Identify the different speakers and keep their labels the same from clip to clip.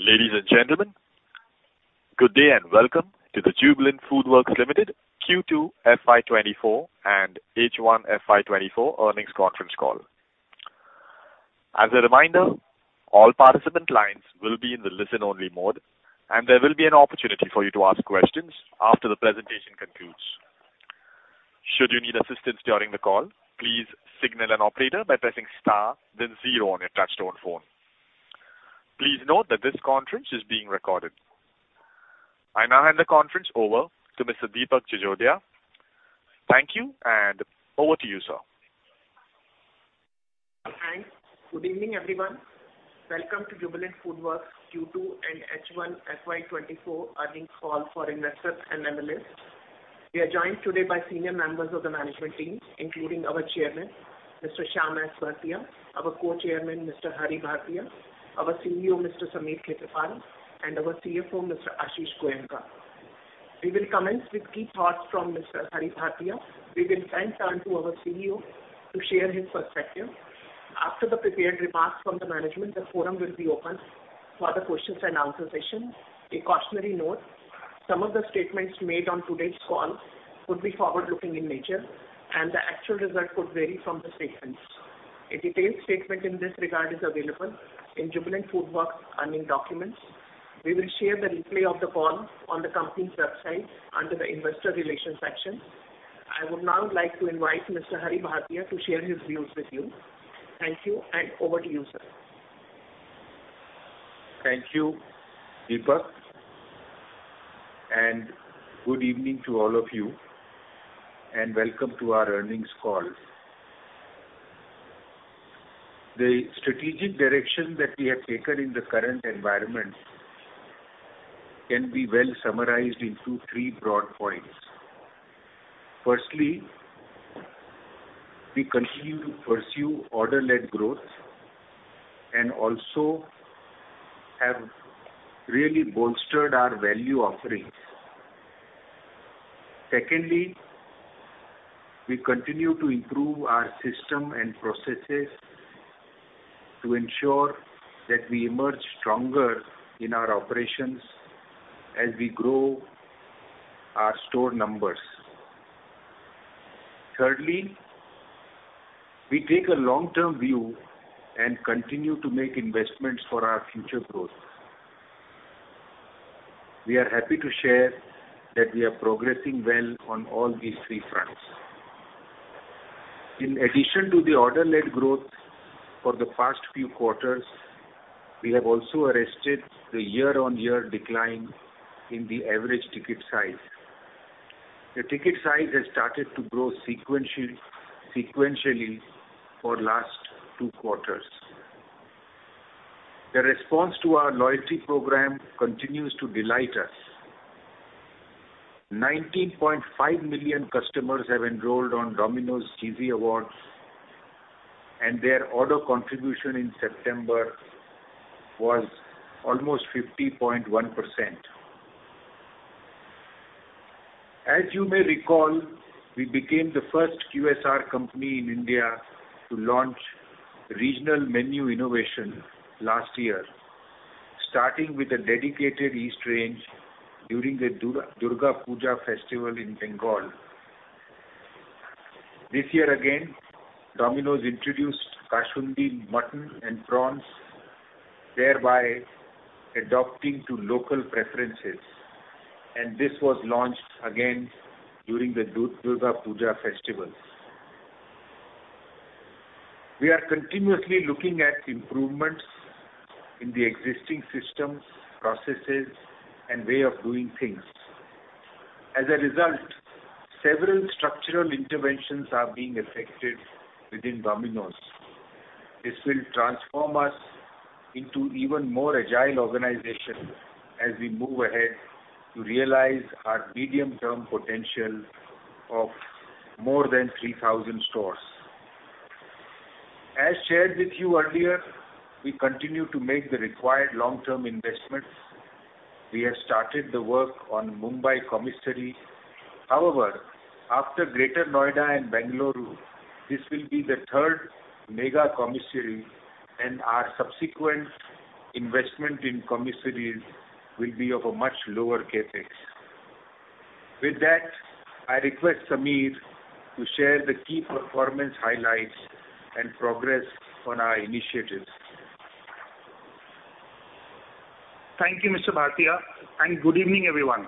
Speaker 1: Ladies and gentlemen, good day, and welcome to the Jubilant FoodWorks Limited Q2 FY24 and H1 FY24 Earnings Conference Call. As a reminder, all participant lines will be in the listen-only mode, and there will be an opportunity for you to ask questions after the presentation concludes. Should you need assistance during the call, please signal an operator by pressing star, then zero on your touchtone phone. Please note that this conference is being recorded. I now hand the conference over to Mr. Deepak Jajodia. Thank you, and over to you, sir.
Speaker 2: Thanks. Good evening, everyone. Welcome to Jubilant FoodWorks Q2 and H1 FY24 earnings call for investors and analysts. We are joined today by senior members of the management team, including our chairman, Mr. Shyam S. Bhartia, our co-chairman, Mr. Hari S. Bhartia, our CEO, Mr. Sameer Khetarpal, and our CFO, Mr. Ashish Goenka. We will commence with key thoughts from Mr. Hari S. Bhartia. We will then turn to our CEO to share his perspective. After the prepared remarks from the management, the forum will be open for questions and answer session. A cautionary note: Some of the statements made on today's call could be forward-looking in nature, and the actual result could vary from the statements. A detailed statement in this regard is available in Jubilant FoodWorks earnings documents. We will share the replay of the call on the company's website under the Investor Relations section. I would now like to invite Mr. Hari Bhartia to share his views with you. Thank you, and over to you, sir.
Speaker 3: Thank you, Deepak, and good evening to all of you, and welcome to our earnings call. The strategic direction that we have taken in the current environment can be well summarized into three broad points. Firstly, we continue to pursue order-led growth and also have really bolstered our value offerings. Secondly, we continue to improve our system and processes to ensure that we emerge stronger in our operations as we grow our store numbers. Thirdly, we take a long-term view and continue to make investments for our future growth. We are happy to share that we are progressing well on all these three fronts. In addition to the order-led growth for the past few quarters, we have also arrested the year-on-year decline in the average ticket size. The ticket size has started to grow sequentially for last two quarters. The response to our loyalty program continues to delight us. 19.5 million customers have enrolled on Domino's Cheesy Rewards, and their order contribution in September was almost 50.1%. As you may recall, we became the first QSR company in India to launch regional menu innovation last year, starting with a dedicated East range during the Durga Puja festival in Bengal. This year again, Domino's introduced Kasundi Mutton and prawns, thereby adapting to local preferences, and this was launched again during the Durga Puja festival. We are continuously looking at improvements in the existing systems, processes, and way of doing things. As a result, several structural interventions are being effected within Domino's. This will transform us into even more agile organization as we move ahead to realize our medium-term potential of more than 3,000 stores. As shared with you earlier, we continue to make the required long-term investments. We have started the work on Mumbai commissary. However, after Greater Noida and Bengaluru, this will be the third mega commissary, and our subsequent investment in commissaries will be of a much lower CapEx. With that, I request Sameer to share the key performance highlights and progress on our initiatives.
Speaker 4: Thank you, Mr. Bhartia, and good evening, everyone.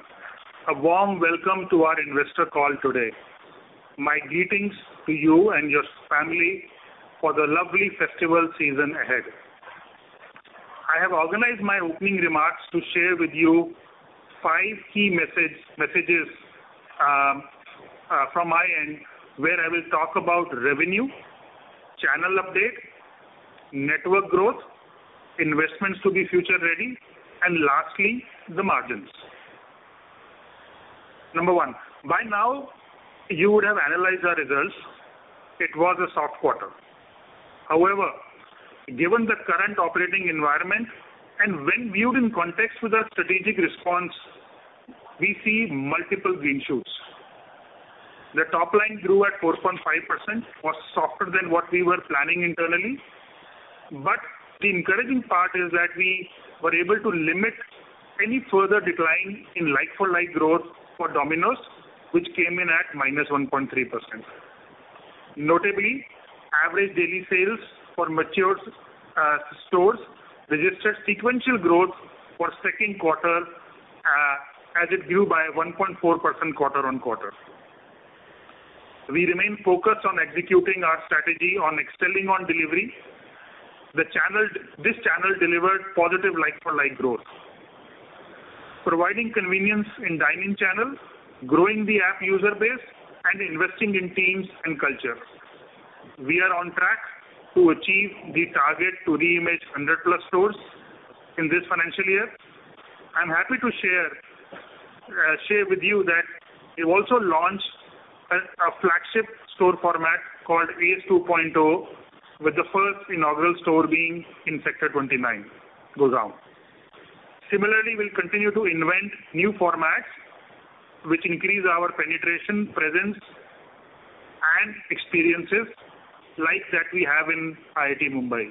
Speaker 4: A warm welcome to our investor call today. My greetings to you and your family for the lovely festival season ahead. I have organized my opening remarks to share with you five key message, messages, from my end, where I will talk about revenue, channel update, network growth, investments to be future-ready, and lastly, the margins. Number one, by now, you would have analyzed our results. It was a soft quarter. However, given the current operating environment and when viewed in context with our strategic response, we see multiple green shoots. The top line grew at 4.5%, was softer than what we were planning internally. But the encouraging part is that we were able to limit any further decline in like-for-like growth for Domino's, which came in at -1.3%. Notably, average daily sales for mature stores registered sequential growth for second quarter, as it grew by 1.4% quarter on quarter. We remain focused on executing our strategy on excelling on delivery. The channel, this channel delivered positive like-for-like growth, providing convenience in dine-in channels, growing the app user base, and investing in teams and culture. We are on track to achieve the target to reimage 100+ stores in this financial year. I'm happy to share with you that we've also launched a flagship store format called ACE 2.0, with the first inaugural store being in Sector 29, Gurgaon. Similarly, we'll continue to invent new formats which increase our penetration, presence, and experiences like that we have in IIT Bombay.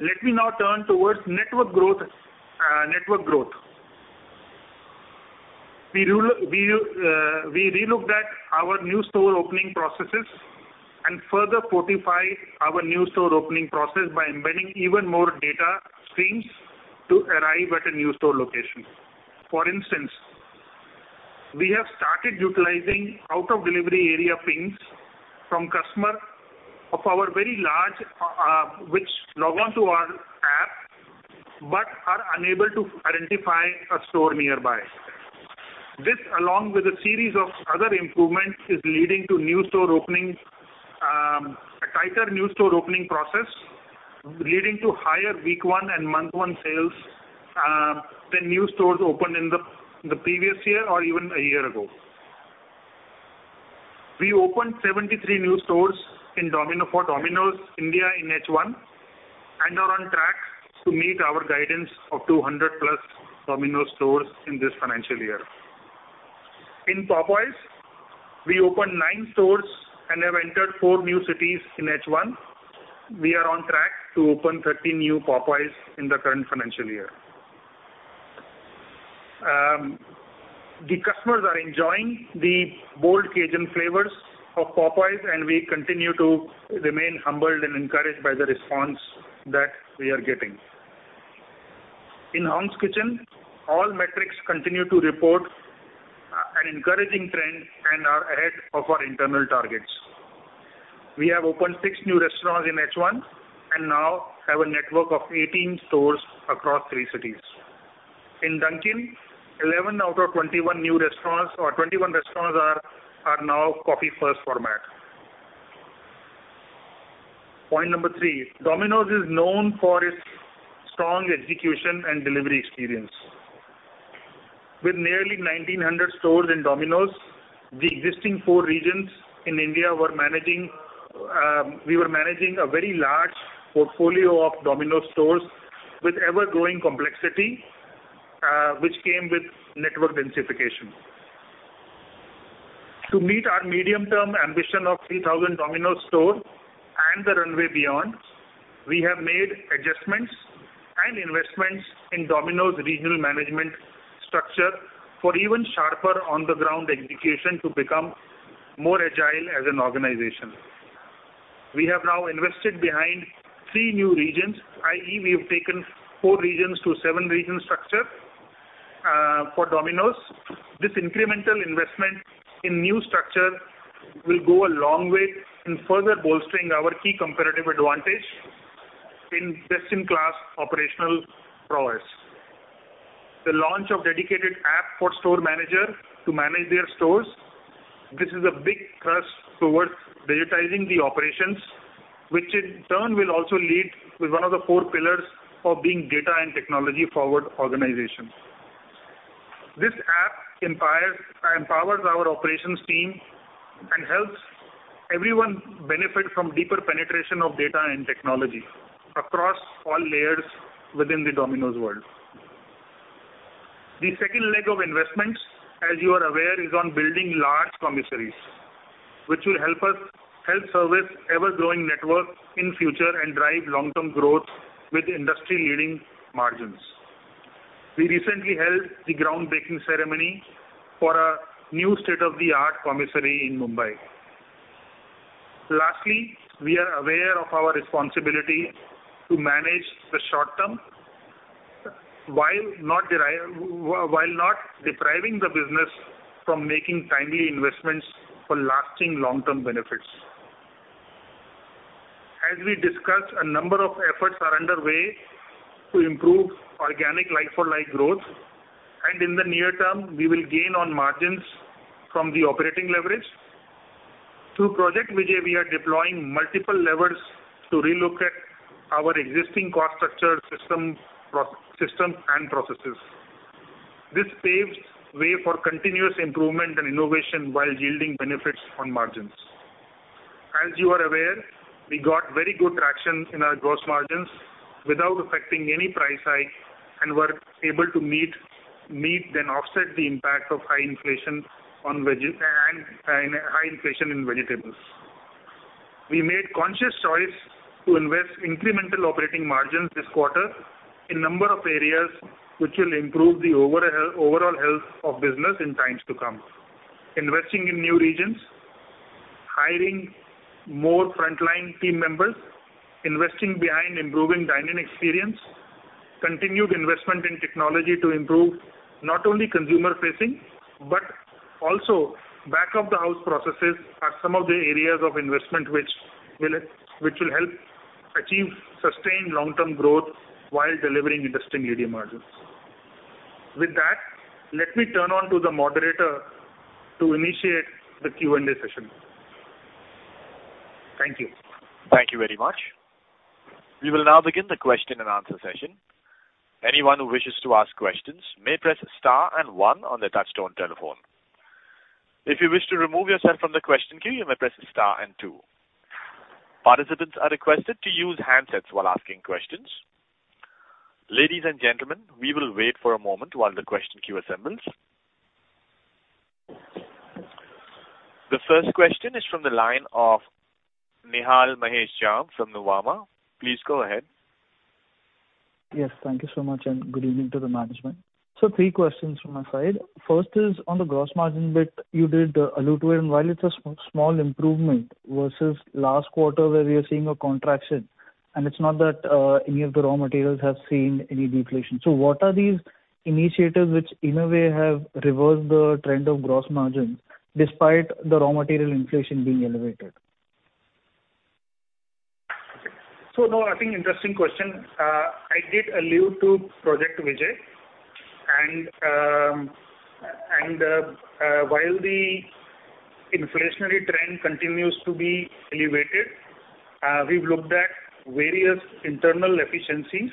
Speaker 4: Let me now turn towards network growth. We, we relooked at our new store opening processes and further fortified our new store opening process by embedding even more data streams to arrive at a new store location. For instance, we have started utilizing out-of-delivery area pings from customer of our very large, which log on to our app, but are unable to identify a store nearby. This, along with a series of other improvements, is leading to new store openings, a tighter new store opening process, leading to higher week one and month one sales, than new stores opened in the previous year or even a year ago. We opened 73 new stores in Domino's for Domino's India in H1, and are on track to meet our guidance of 200+ Domino's stores in this financial year. In Popeyes, we opened 9 stores and have entered 4 new cities in H1. We are on track to open 30 new Popeyes in the current financial year. The customers are enjoying the bold Cajun flavors of Popeyes, and we continue to remain humbled and encouraged by the response that we are getting. In Hong's Kitchen, all metrics continue to report an encouraging trend and are ahead of our internal targets. We have opened 6 new restaurants in H1, and now have a network of 18 stores across 3 cities. In Dunkin, 11 out of 21 new restaurants or 21 restaurants are now coffee first format. Point number three, Domino's is known for its strong execution and delivery experience. With nearly 1,900 stores in Domino's, the existing 4 regions in India were managing, we were managing a very large portfolio of Domino's stores with ever-growing complexity, which came with network densification. To meet our medium-term ambition of 3,000 Domino's stores and the runway beyond, we have made adjustments and investments in Domino's regional management structure for even sharper on-the-ground execution to become more agile as an organization. We have now invested behind 3 new regions, i.e., we have taken 4 regions to 7-region structure, for Domino's. This incremental investment in new structure will go a long way in further bolstering our key competitive advantage in best-in-class operational prowess. The launch of dedicated app for store manager to manage their stores, this is a big thrust towards digitizing the operations, which in turn will also lead with one of the four pillars of being data and technology-forward organization. This app empowers our operations team and helps everyone benefit from deeper penetration of data and technology across all layers within the Domino's world. The second leg of investments, as you are aware, is on building large commissaries, which will help service ever-growing network in future and drive long-term growth with industry-leading margins. We recently held the groundbreaking ceremony for a new state-of-the-art commissary in Mumbai. Lastly, we are aware of our responsibility to manage the short term, while not depriving the business from making timely investments for lasting long-term benefits. As we discussed, a number of efforts are underway to improve organic like-for-like growth, and in the near term, we will gain on margins from the operating leverage. Through Project Vijay, we are deploying multiple levers to relook at our existing cost structure, systems and processes. This paves way for continuous improvement and innovation while yielding benefits on margins. As you are aware, we got very good traction in our gross margins without affecting any price hike, and were able to meet then offset the impact of high inflation on vegetables and high inflation in vegetables. We made conscious choice to invest incremental operating margins this quarter in number of areas which will improve the overall health of business in times to come. Investing in new regions, hiring more frontline team members, investing behind improving dine-in experience, continued investment in technology to improve not only consumer facing, but also back of the house processes, are some of the areas of investment which will help achieve sustained long-term growth while delivering interesting EBITDA margins. With that, let me turn on to the moderator to initiate the Q&A session. Thank you.
Speaker 1: Thank you very much. We will now begin the question and answer session. Anyone who wishes to ask questions may press star and one on their touchtone telephone. If you wish to remove yourself from the question queue, you may press star and two. Participants are requested to use handsets while asking questions. Ladies and gentlemen, we will wait for a moment while the question queue assembles. The first question is from the line of Nihal Mahesh Jham from Nuvama. Please go ahead.
Speaker 5: Yes, thank you so much, and good evening to the management. So three questions from my side. First is on the gross margin bit. You did allude to it, and while it's a small improvement versus last quarter, where we are seeing a contraction, and it's not that any of the raw materials have seen any deflation. So what are these initiatives which in a way have reversed the trend of gross margins despite the raw material inflation being elevated?
Speaker 4: So, no, I think interesting question. I did allude to Project Vijay and, while the inflationary trend continues to be elevated, we've looked at various internal efficiencies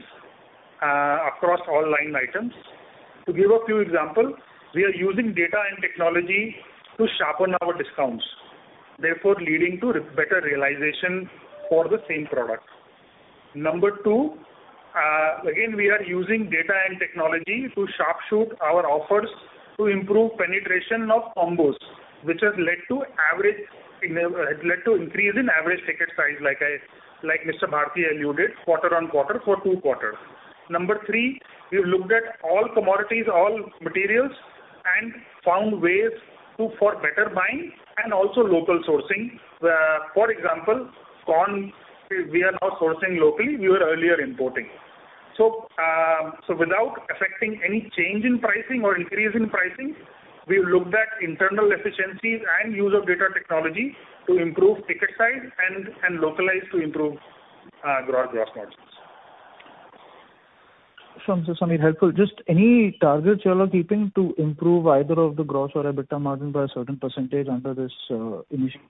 Speaker 4: across all line items. To give a few examples, we are using data and technology to sharpen our discounts, therefore leading to better realization for the same product. Number two, again, we are using data and technology to sharpshoot our offers to improve penetration of combos, which has led to increase in average ticket size, like I, like Mr. Bhartia alluded, quarter-over-quarter for two quarters. Number three, we've looked at all commodities, all materials, and found ways for better buying and also local sourcing. For example, corn, we are now sourcing locally. We were earlier importing. So without affecting any change in pricing or increase in pricing, we've looked at internal efficiencies and use of data technology to improve ticket size and localize to improve our gross margins.
Speaker 5: Sounds as something helpful. Just any targets you all are keeping to improve either of the gross or EBITDA margin by a certain percentage under this initiative?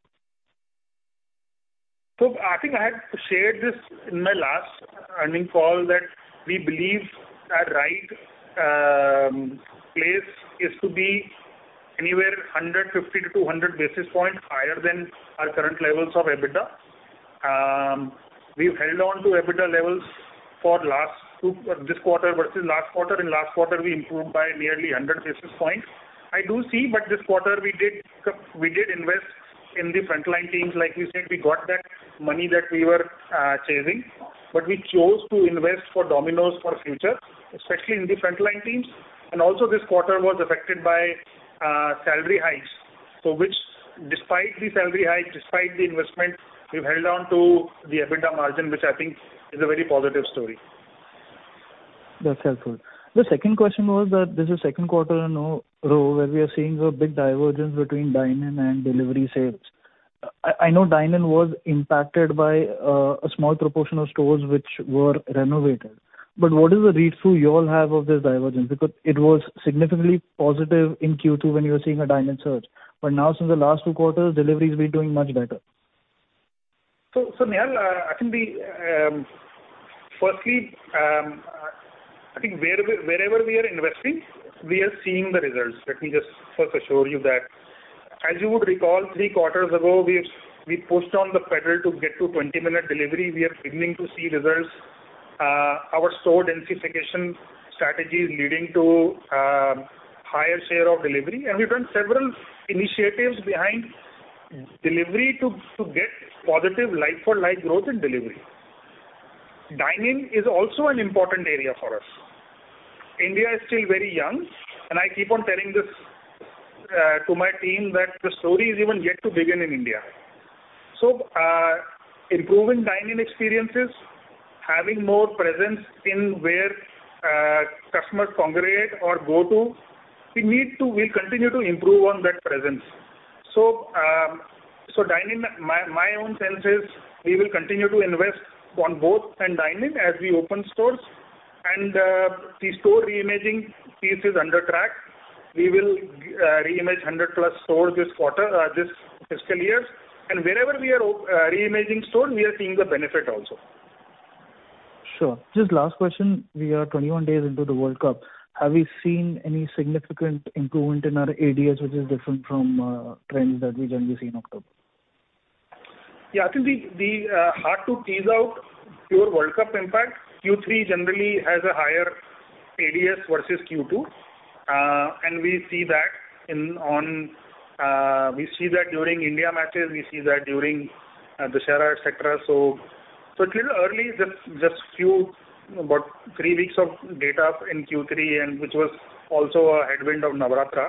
Speaker 4: So I think I had shared this in my last earnings call, that we believe our right place is to be anywhere 150 to 200 basis points higher than our current levels of EBITDA. We've held on to EBITDA levels for last two... This quarter versus last quarter. In last quarter, we improved by nearly 100 basis points. I do see, but this quarter we did, we did invest in the frontline teams. Like you said, we got that money that we were saving, but we chose to invest for Domino's for future, especially in the frontline teams. And also, this quarter was affected by salary hikes. So which despite the salary hike, despite the investment, we've held on to the EBITDA margin, which I think is a very positive story.
Speaker 5: That's helpful. The second question was that this is second quarter in a row, where we are seeing a big divergence between dine-in and delivery sales. I, I know dine-in was impacted by a small proportion of stores which were renovated. But what is the read-through you all have of this divergence? Because it was significantly positive in Q2 when you were seeing a dine-in surge. But now, since the last two quarters, delivery has been doing much better.
Speaker 4: Nihal, I think firstly, I think wherever we are investing, we are seeing the results. Let me just first assure you that. As you would recall, three quarters ago, we pushed on the pedal to get to 20-minute delivery. We are beginning to see results. Our store densification strategy is leading to higher share of delivery, and we've done several initiatives behind delivery to get positive like-for-like growth in delivery. Dine-in is also an important area for us. India is still very young, and I keep on telling this to my team, that the story is even yet to begin in India. So, improving dine-in experiences, having more presence in where customers congregate or go to, we need to, we'll continue to improve on that presence. So, so dine-in, my own sense is we will continue to invest on both and dine-in as we open stores. The store reimaging piece is on track. We will reimage 100+ stores this quarter, this fiscal year. Wherever we are reimaging store, we are seeing the benefit also.
Speaker 5: ...Sure. Just last question, we are 21 days into the World Cup. Have we seen any significant improvement in our ADS, which is different from trends that we generally see in October?
Speaker 4: Yeah, I think it's hard to tease out pure World Cup impact. Q3 generally has a higher ADS versus Q2. And we see that during India matches, we see that during Dussehra, et cetera. So it's a little early, just a few, about 3 weeks of data in Q3, and which was also a headwind of Navaratri.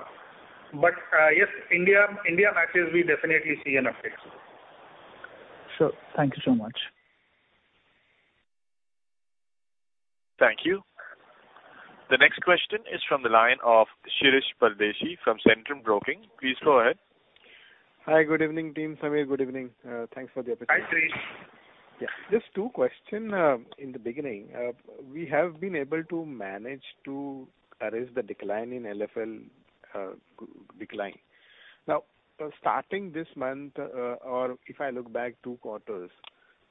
Speaker 4: But yes, India matches, we definitely see an effect.
Speaker 5: Sure. Thank you so much.
Speaker 1: Thank you. The next question is from the line of Shirish Pardeshi from Centrum Broking. Please go ahead.
Speaker 6: Hi, good evening, team. Sameer, good evening. Thanks for the opportunity.
Speaker 4: Hi, Shirish.
Speaker 6: Yeah, just two questions in the beginning. We have been able to manage to erase the decline in LFL, decline. Now, starting this month, or if I look back two quarters,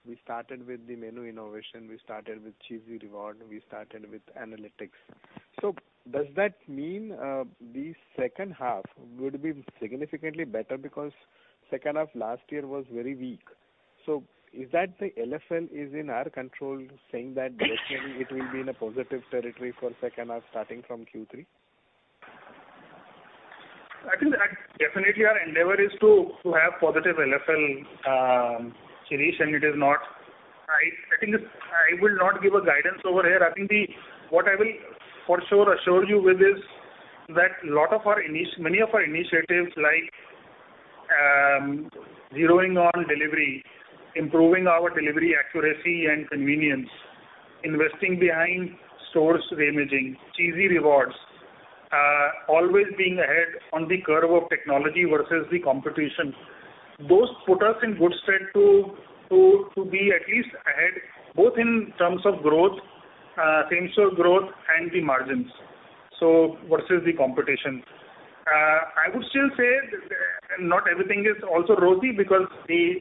Speaker 6: we started with the menu innovation, we started with Cheesy Rewards, we started with analytics. So does that mean the second half would be significantly better because second half last year was very weak? So is that the LFL is in our control, saying that definitely it will be in a positive territory for second half, starting from Q3?
Speaker 4: I think that definitely our endeavor is to have positive LFL, Shirish, and it is not. I think it's—I will not give a guidance over here. I think what I will for sure assure you with is that a lot of our—many of our initiatives, like, zeroing on delivery, improving our delivery accuracy and convenience, investing behind stores reimaging, Cheesy Rewards, always being ahead on the curve of technology versus the competition. Those put us in good stead to be at least ahead, both in terms of growth, same-store growth and the margins, so versus the competition. I would still say that not everything is also rosy, because the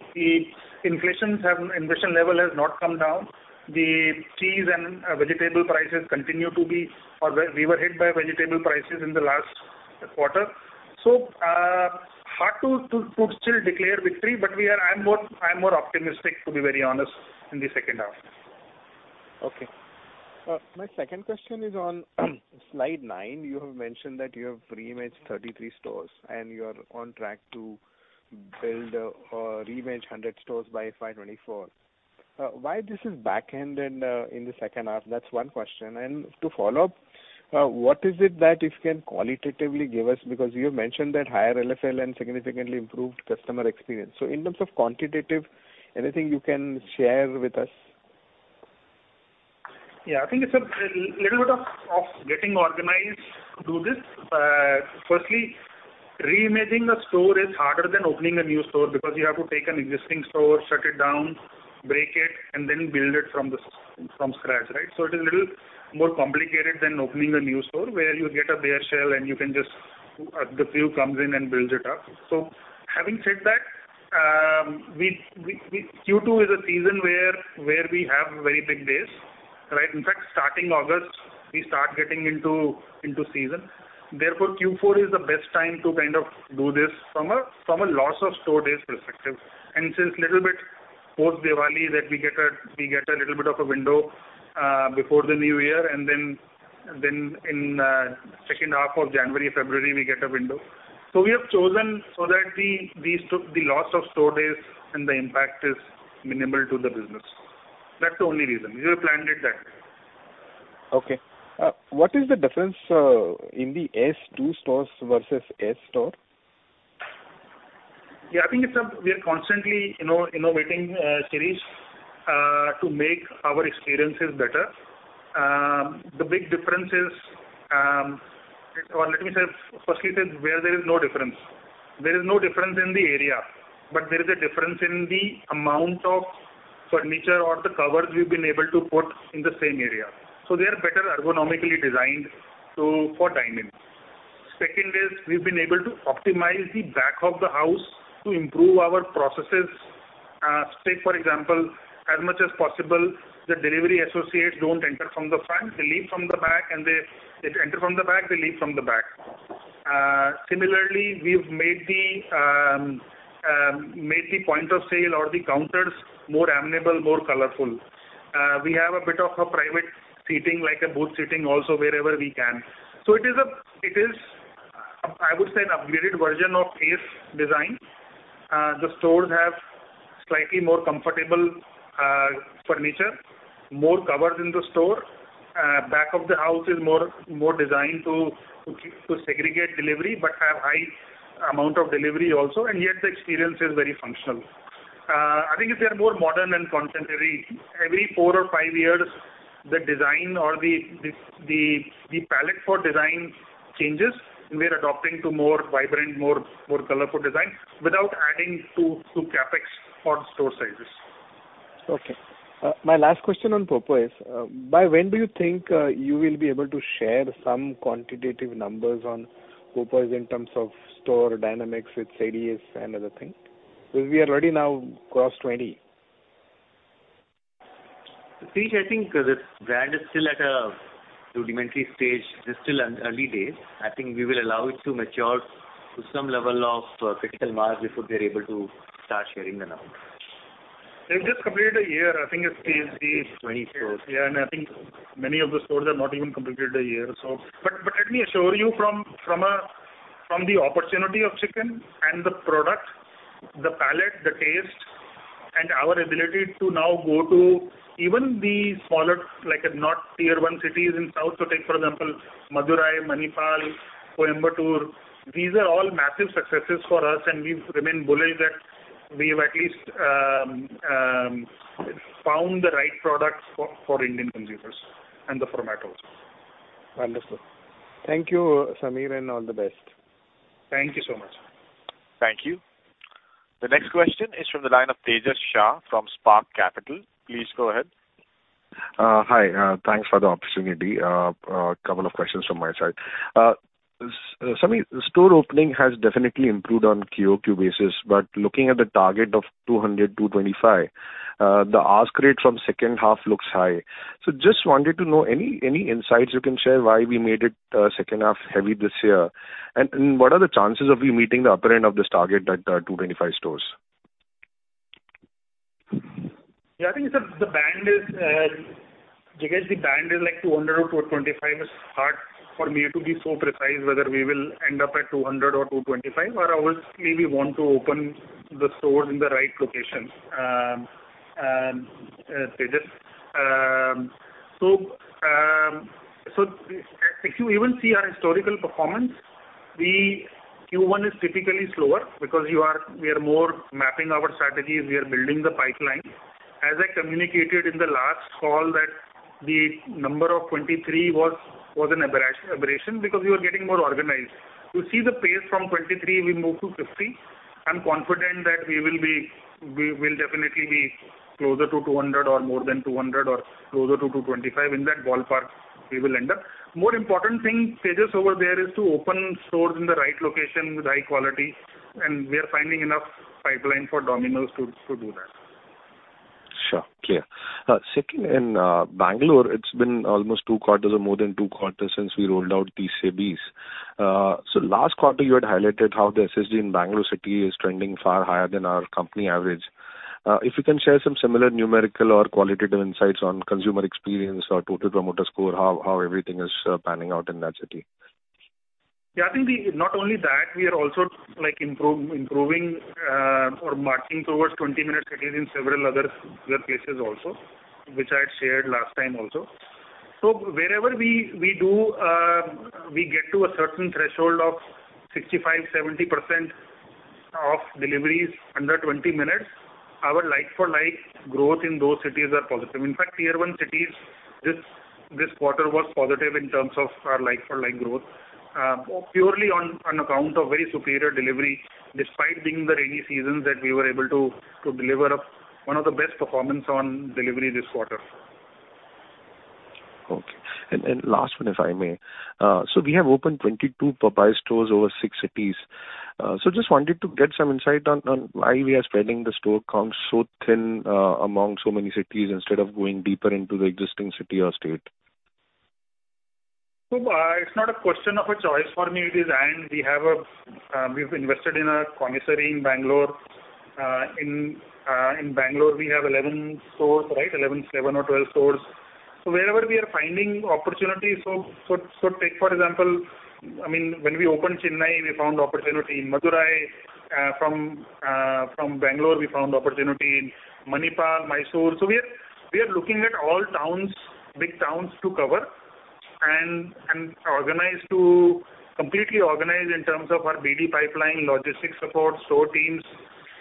Speaker 4: inflation level has not come down. The cheese and vegetable prices continue to be, or we were hit by vegetable prices in the last quarter. So, hard to still declare victory, but we are, I'm more, I'm more optimistic, to be very honest, in the second half.
Speaker 6: Okay. My second question is on slide 9. You have mentioned that you have reimaged 33 stores, and you are on track to build or reimage 100 stores by 2024. Why this is backended in the second half? That's one question. And to follow up, what is it that you can qualitatively give us? Because you have mentioned that higher LFL and significantly improved customer experience. So in terms of quantitative, anything you can share with us?
Speaker 4: Yeah, I think it's a little bit of getting organized to this. Firstly, reimaging a store is harder than opening a new store, because you have to take an existing store, shut it down, break it, and then build it from scratch, right? So it is a little more complicated than opening a new store, where you get a bare shell, and you can just, the queue comes in and builds it up. So having said that, Q2 is a season where we have very big days, right? In fact, starting August, we start getting into season. Therefore, Q4 is the best time to kind of do this from a loss of store days perspective. Since a little bit post Diwali, we get a little bit of a window before the new year, and then in the second half of January and February, we get a window. So we have chosen so that the loss of store days and the impact is minimal to the business. That's the only reason. We have planned it that way.
Speaker 6: Okay. What is the difference in the ACE 2.0 stores versus ACE store?
Speaker 4: Yeah, I think it's. We are constantly innovating services to make our experiences better. The big difference is, or let me say, firstly, is where there is no difference. There is no difference in the area, but there is a difference in the amount of furniture or the covers we've been able to put in the same area. So they are better ergonomically designed for dining. Second is, we've been able to optimize the back of the house to improve our processes. Say, for example, as much as possible, the delivery associates don't enter from the front, they leave from the back, and they enter from the back, they leave from the back. Similarly, we've made the point of sale or the counters more amenable, more colorful. We have a bit of a private seating, like a booth seating also wherever we can. So it is, I would say, an upgraded version of ACE design. The stores have slightly more comfortable furniture, more covers in the store. Back of the house is more designed to segregate delivery, but have high amount of delivery also, and yet the experience is very functional. I think they are more modern and contemporary. Every four or five years, the design or the palette for design changes, we're adopting to more vibrant, more colorful design, without adding to CapEx or store sizes.
Speaker 6: Okay. My last question on Popeyes is, by when do you think you will be able to share some quantitative numbers on Popeyes in terms of store dynamics with ADS and other thing?...
Speaker 7: we are already now across 20.
Speaker 8: Tej, I think the brand is still at a rudimentary stage. It's still an early days. I think we will allow it to mature to some level of critical mass before we are able to start sharing the amount.
Speaker 4: They've just completed a year. I think it's still is 20 stores. Yeah, and I think many of the stores have not even completed a year or so. But let me assure you from a from the opportunity of chicken and the product, the palate, the taste, and our ability to now go to even the smaller, like not Tier 1 cities in South. So take, for example, Madurai, Manipal, Coimbatore, these are all massive successes for us, and we remain bullish that we have at least found the right product for Indian consumers and the format also.
Speaker 6: Wonderful. Thank you, Sameer, and all the best.
Speaker 4: Thank you so much.
Speaker 1: Thank you. The next question is from the line of Tejas Shah from Spark Capital. Please go ahead.
Speaker 9: Hi, thanks for the opportunity. A couple of questions from my side. Sameer, the store opening has definitely improved on QoQ basis, but looking at the target of 200-225, the ask rate from second half looks high. So just wanted to know any, any insights you can share why we made it, second half heavy this year? And, what are the chances of you meeting the upper end of this target at, 225 stores?
Speaker 4: Yeah, I think the band is because the band is like 200 or 225, it's hard for me to be so precise whether we will end up at 200 or 225, but obviously, we want to open the stores in the right locations, and Tejas. So, so if you even see our historical performance, the Q1 is typically slower because we are more mapping our strategies, we are building the pipeline. As I communicated in the last call, that the number of 23 was an aberration, because we were getting more organized. You see the pace from 23, we moved to 50. I'm confident that we will be, we will definitely be closer to 200 or more than 200 or closer to 225. In that ballpark, we will end up. More important thing, Tejas, over there is to open stores in the right location with high quality, and we are finding enough pipeline for Domino's to do that.
Speaker 9: Sure. Clear. Second, in Bangalore, it's been almost two quarters or more than two quarters since we rolled out TCBS. So last quarter, you had highlighted how the SSG in Bangalore city is trending far higher than our company average. If you can share some similar numerical or qualitative insights on consumer experience or total promoter score, how everything is panning out in that city.
Speaker 4: Yeah, I think we... Not only that, we are also, like, improving, or marching towards 20-minute cities in several other cases also, which I had shared last time also. So wherever we do, we get to a certain threshold of 65%-70% of deliveries under 20 minutes. Our like for like growth in those cities are positive. In fact, tier one cities, this quarter was positive in terms of our like for like growth, purely on account of very superior delivery, despite being the rainy seasons, that we were able to deliver one of the best performance on delivery this quarter.
Speaker 9: Okay. And last one, if I may. So we have opened 22 Popeyes stores over six cities. So just wanted to get some insight on why we are spreading the store count so thin among so many cities instead of going deeper into the existing city or state?
Speaker 4: So, it's not a question of a choice for me. It is, and we have a, we've invested in a commissary in Bangalore. In Bangalore, we have 11 stores, right? 11, seven or 12 stores. So wherever we are finding opportunities. So take for example, I mean, when we opened Chennai, we found opportunity. In Madurai, from Bangalore, we found opportunity, Manipal, Mysore. So we are looking at all towns, big towns to cover and organize to completely organize in terms of our BD pipeline, logistics support, store teams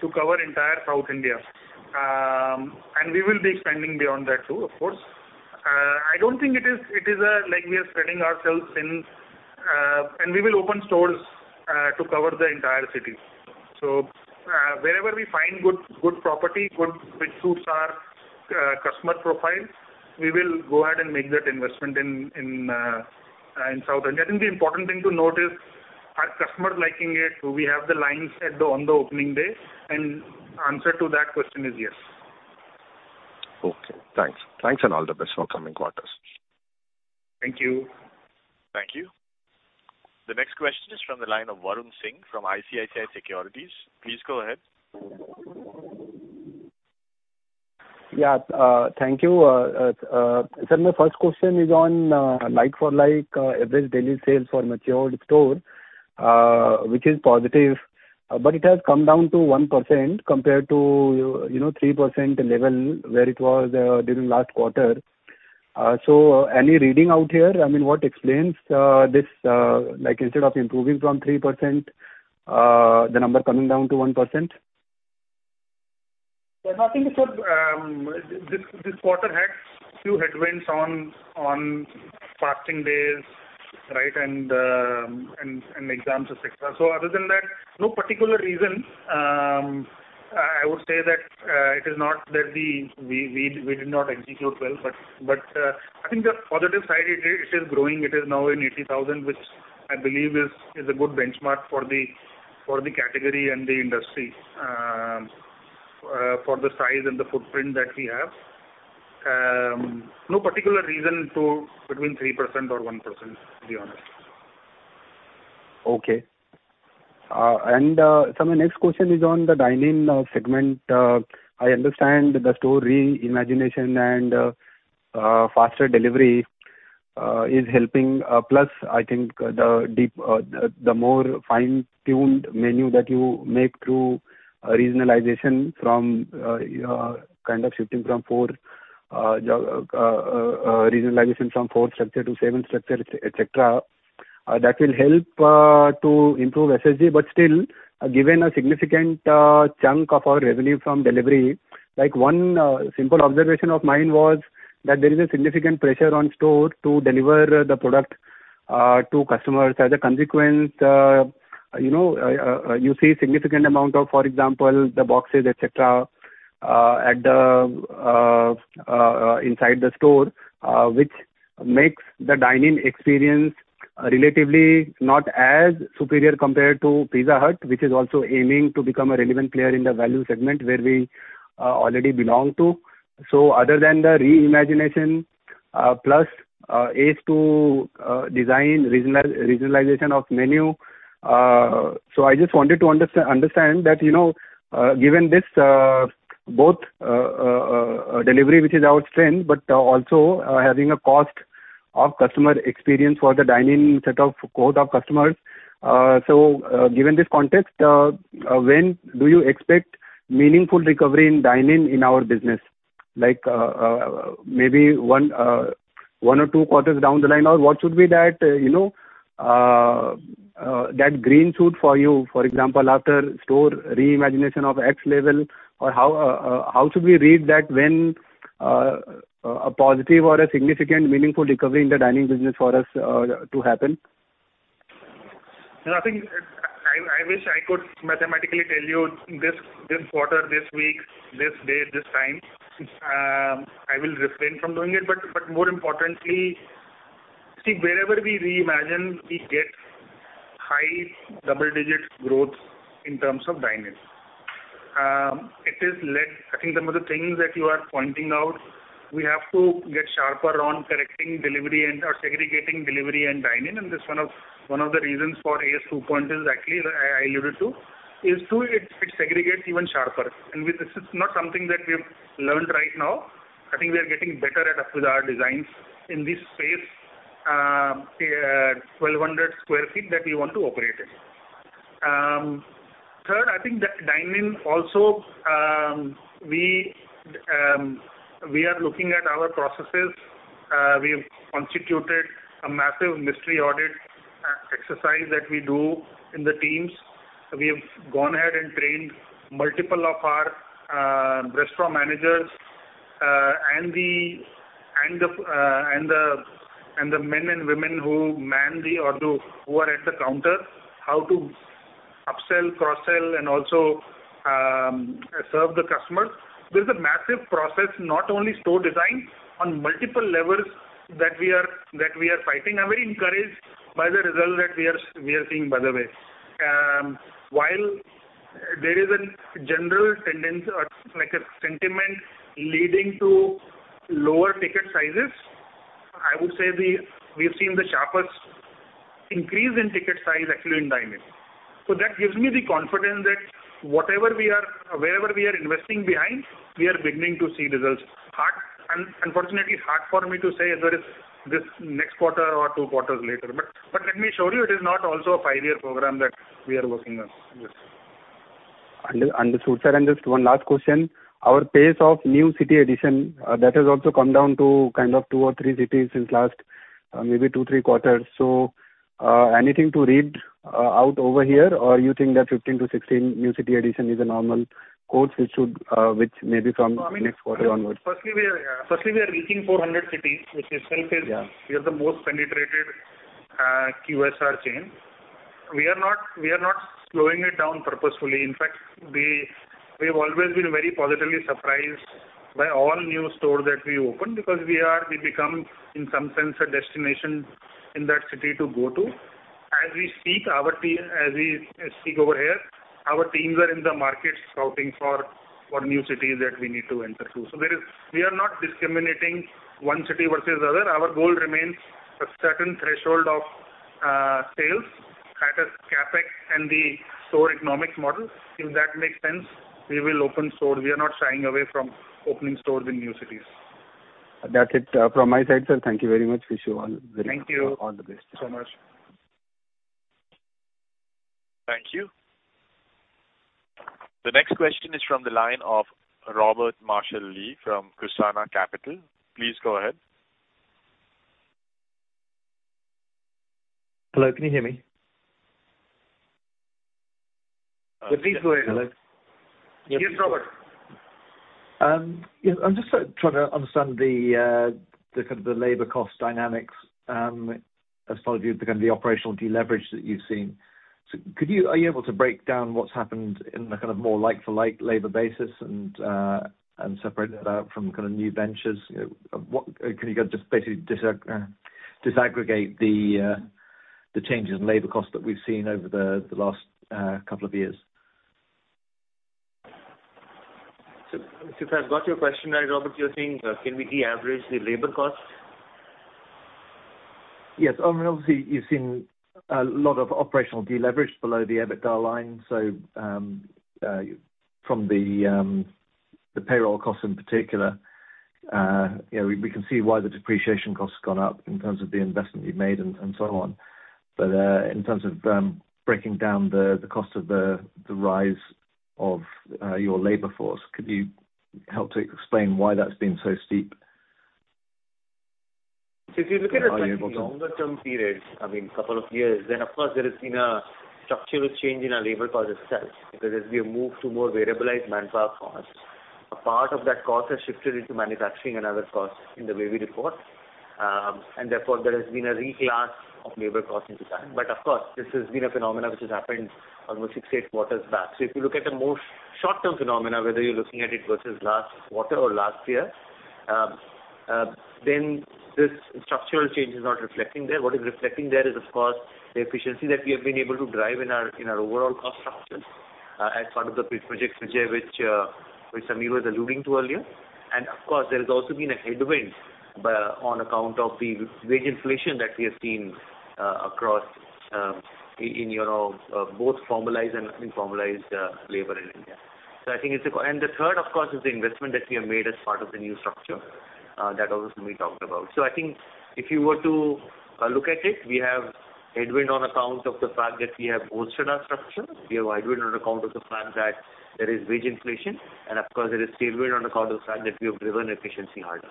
Speaker 4: to cover entire South India. And we will be expanding beyond that, too, of course. I don't think it is like we are spreading ourselves thin, and we will open stores to cover the entire city. Wherever we find good property which suits our customer profile, we will go ahead and make that investment in South India. I think the important thing to note is, are customers liking it? Do we have the lines on the opening day? And answer to that question is yes.
Speaker 9: Okay, thanks. Thanks and all the best for coming quarters.
Speaker 4: Thank you.
Speaker 1: Thank you. The next question is from the line of Varun Singh from ICICI Securities. Please go ahead.
Speaker 10: Yeah, thank you. Sir, my first question is on like-for-like average daily sales for matured store, which is positive, but it has come down to 1% compared to, you know, 3% level where it was during last quarter. So any reading out here? I mean, what explains this like instead of improving from 3% the number coming down to 1%?
Speaker 4: Yeah, I think it was this quarter had few headwinds on fasting days, right? And exams, et cetera. So other than that, no particular reason. I would say that it is not that we did not execute well, but I think the positive side, it is growing. It is now in 80,000, which I believe is a good benchmark for the category and the industry, for the size and the footprint that we have. No particular reason to between 3% or 1%, to be honest.
Speaker 10: Okay. So my next question is on the dine-in segment. I understand the store re-imagination and faster delivery is helping. Plus, I think the deeper, the more fine-tuned menu that you make through regionalization, kind of shifting from four structure to seven structure, et cetera, that will help to improve SSG. But still, given a significant chunk of our revenue from delivery, like, one simple observation of mine was that there is a significant pressure on store to deliver the product to customers. As a consequence, you know, you see a significant amount of, for example, the boxes, et cetera, at the inside the store, which makes the dine-in experience relatively not as superior compared to Pizza Hut, which is also aiming to become a relevant player in the value segment where we already belong to. So other than the re-imagination, plus ACE 2.0 design regionalization of menu. So I just wanted to understand that, you know, given this, both delivery, which is our strength, but also having a cost of customer experience for the dine-in set of cohort of customers. So, given this context, when do you expect meaningful recovery in dine-in in our business? Like, maybe one or two quarters down the line, or what should be that, you know, that green shoot for you, for example, after store re-imagination of X level, or how should we read that when a positive or a significant meaningful recovery in the dine-in business for us to happen?
Speaker 4: I think I, I wish I could mathematically tell you this, this quarter, this week, this day, this time. I will refrain from doing it, but, but more importantly, see, wherever we reimagine, we get high double-digit growth in terms of dine-in. It is less. I think some of the things that you are pointing out, we have to get sharper on correcting delivery and or segregating delivery and dine-in, and this one of, one of the reasons for ACE 2.0 is actually I, I alluded to, is to it, it segregate even sharper. And this is not something that we have learned right now. I think we are getting better at with our designs in this space, 1,200 sq ft that we want to operate in. Third, I think the dine-in also, we, we are looking at our processes. We have constituted a massive mystery audit exercise that we do in the teams. We have gone ahead and trained multiple of our restaurant managers and the men and women who man the counter or who are at the counter how to upsell, cross-sell, and also serve the customers. There's a massive process, not only store design, on multiple levels that we are fighting. I'm very encouraged by the results that we are seeing, by the way. While there is a general tendency or like a sentiment leading to lower ticket sizes, I would say we've seen the sharpest increase in ticket size actually in dine-in. So that gives me the confidence that whatever we are, wherever we are investing behind, we are beginning to see results. Unfortunately, it's hard for me to say whether it's this next quarter or two quarters later. But let me assure you, it is not also a five-year program that we are working on this.
Speaker 10: Understood, sir. Just one last question. Our pace of new city addition that has also come down to kind of two or three cities since last maybe 2-3 quarters. So, anything to read out over here, or you think that 15-16 new city addition is a normal course, which should which may be from next quarter onwards?
Speaker 4: Firstly, we are reaching 400 cities, which itself is-
Speaker 10: Yeah.
Speaker 4: We are the most penetrated QSR chain. We are not, we are not slowing it down purposefully. In fact, we, we have always been very positively surprised by all new stores that we open, because we are, we become, in some sense, a destination in that city to go to. As we speak, our team. As we speak over here, our teams are in the markets scouting for, for new cities that we need to enter to. So there is, we are not discriminating one city versus the other. Our goal remains a certain threshold of sales, CapEx, and the store economics model. If that makes sense, we will open stores. We are not shying away from opening stores in new cities.
Speaker 10: That's it from my side, sir. Thank you very much. Wish you all the very-
Speaker 4: Thank you.
Speaker 10: All the best.
Speaker 4: Thank you so much.
Speaker 1: Thank you. The next question is from the line of Robert Marshall-Lee from Cusana Capital. Please go ahead.
Speaker 11: Hello, can you hear me?
Speaker 4: Please go ahead.
Speaker 11: Hello.
Speaker 4: Yes, Robert.
Speaker 11: Yeah, I'm just trying to understand the kind of the labor cost dynamics as part of the kind of the operational deleverage that you've seen.... So could you, are you able to break down what's happened in the kind of more like-for-like labor basis and, and separate that out from kind of new ventures? What-- Can you just basically disaggregate the, the changes in labor costs that we've seen over the, the last couple of years?
Speaker 8: So, if I've got your question right, Robert, you're saying, can we de-average the labor costs?
Speaker 11: Yes. I mean, obviously, you've seen a lot of operational deleverage below the EBITDA line, so from the payroll costs in particular, you know, we can see why the depreciation costs have gone up in terms of the investment you've made and so on. But, in terms of breaking down the cost of the rise of your labor force, could you help to explain why that's been so steep?
Speaker 8: If you look at a longer term period, I mean, couple of years, then of course, there has been a structural change in our labor force itself, because as we have moved to more variabilized manpower costs, a part of that cost has shifted into manufacturing another cost in the way we report. And therefore, there has been a reclass of labor costs into that. But of course, this has been a phenomena which has happened almost six, eight quarters back. So if you look at a more short-term phenomena, whether you're looking at it versus last quarter or last year, then this structural change is not reflecting there. What is reflecting there is, of course, the efficiency that we have been able to drive in our, in our overall cost structure, as part of the projects, which, which Sameer was alluding to earlier. Of course, there has also been a headwind, but on account of the wage inflation that we have seen across in you know both formalized and informalized labor in India. So I think. And the third, of course, is the investment that we have made as part of the new structure that also we talked about. So I think if you were to look at it, we have headwind on account of the fact that we have bolstered our structure. We have headwind on account of the fact that there is wage inflation, and of course, there is tailwind on account of the fact that we have driven efficiency harder.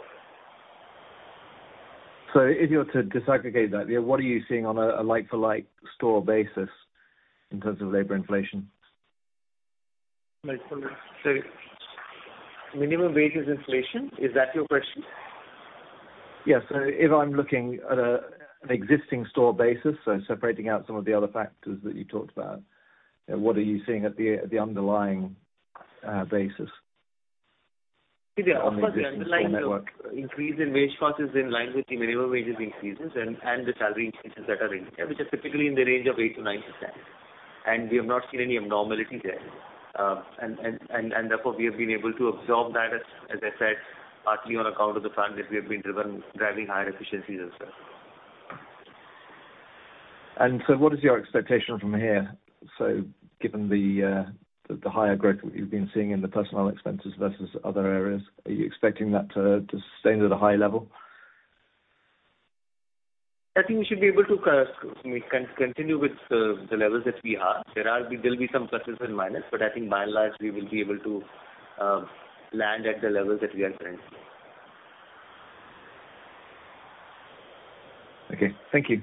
Speaker 11: So if you were to disaggregate that, yeah, what are you seeing on a like-for-like store basis in terms of labor inflation?
Speaker 8: Minimum wages inflation, is that your question?
Speaker 11: Yes. So if I'm looking at an existing store basis, so separating out some of the other factors that you talked about, what are you seeing at the underlying basis?
Speaker 8: Of course, the underlying network increase in wage costs is in line with the minimum wages increases and the salary increases that are in there, which is typically in the range of 8%-9%. We have not seen any abnormality there. And therefore, we have been able to absorb that, as I said, partly on account of the fact that we have been driving higher efficiencies as well.
Speaker 11: So what is your expectation from here? Given the higher growth that you've been seeing in the personnel expenses versus other areas, are you expecting that to stay at a high level?
Speaker 8: I think we should be able to continue with the levels that we are. There'll be some pluses and minus, but I think by and large, we will be able to land at the levels that we are currently.
Speaker 11: Okay. Thank you.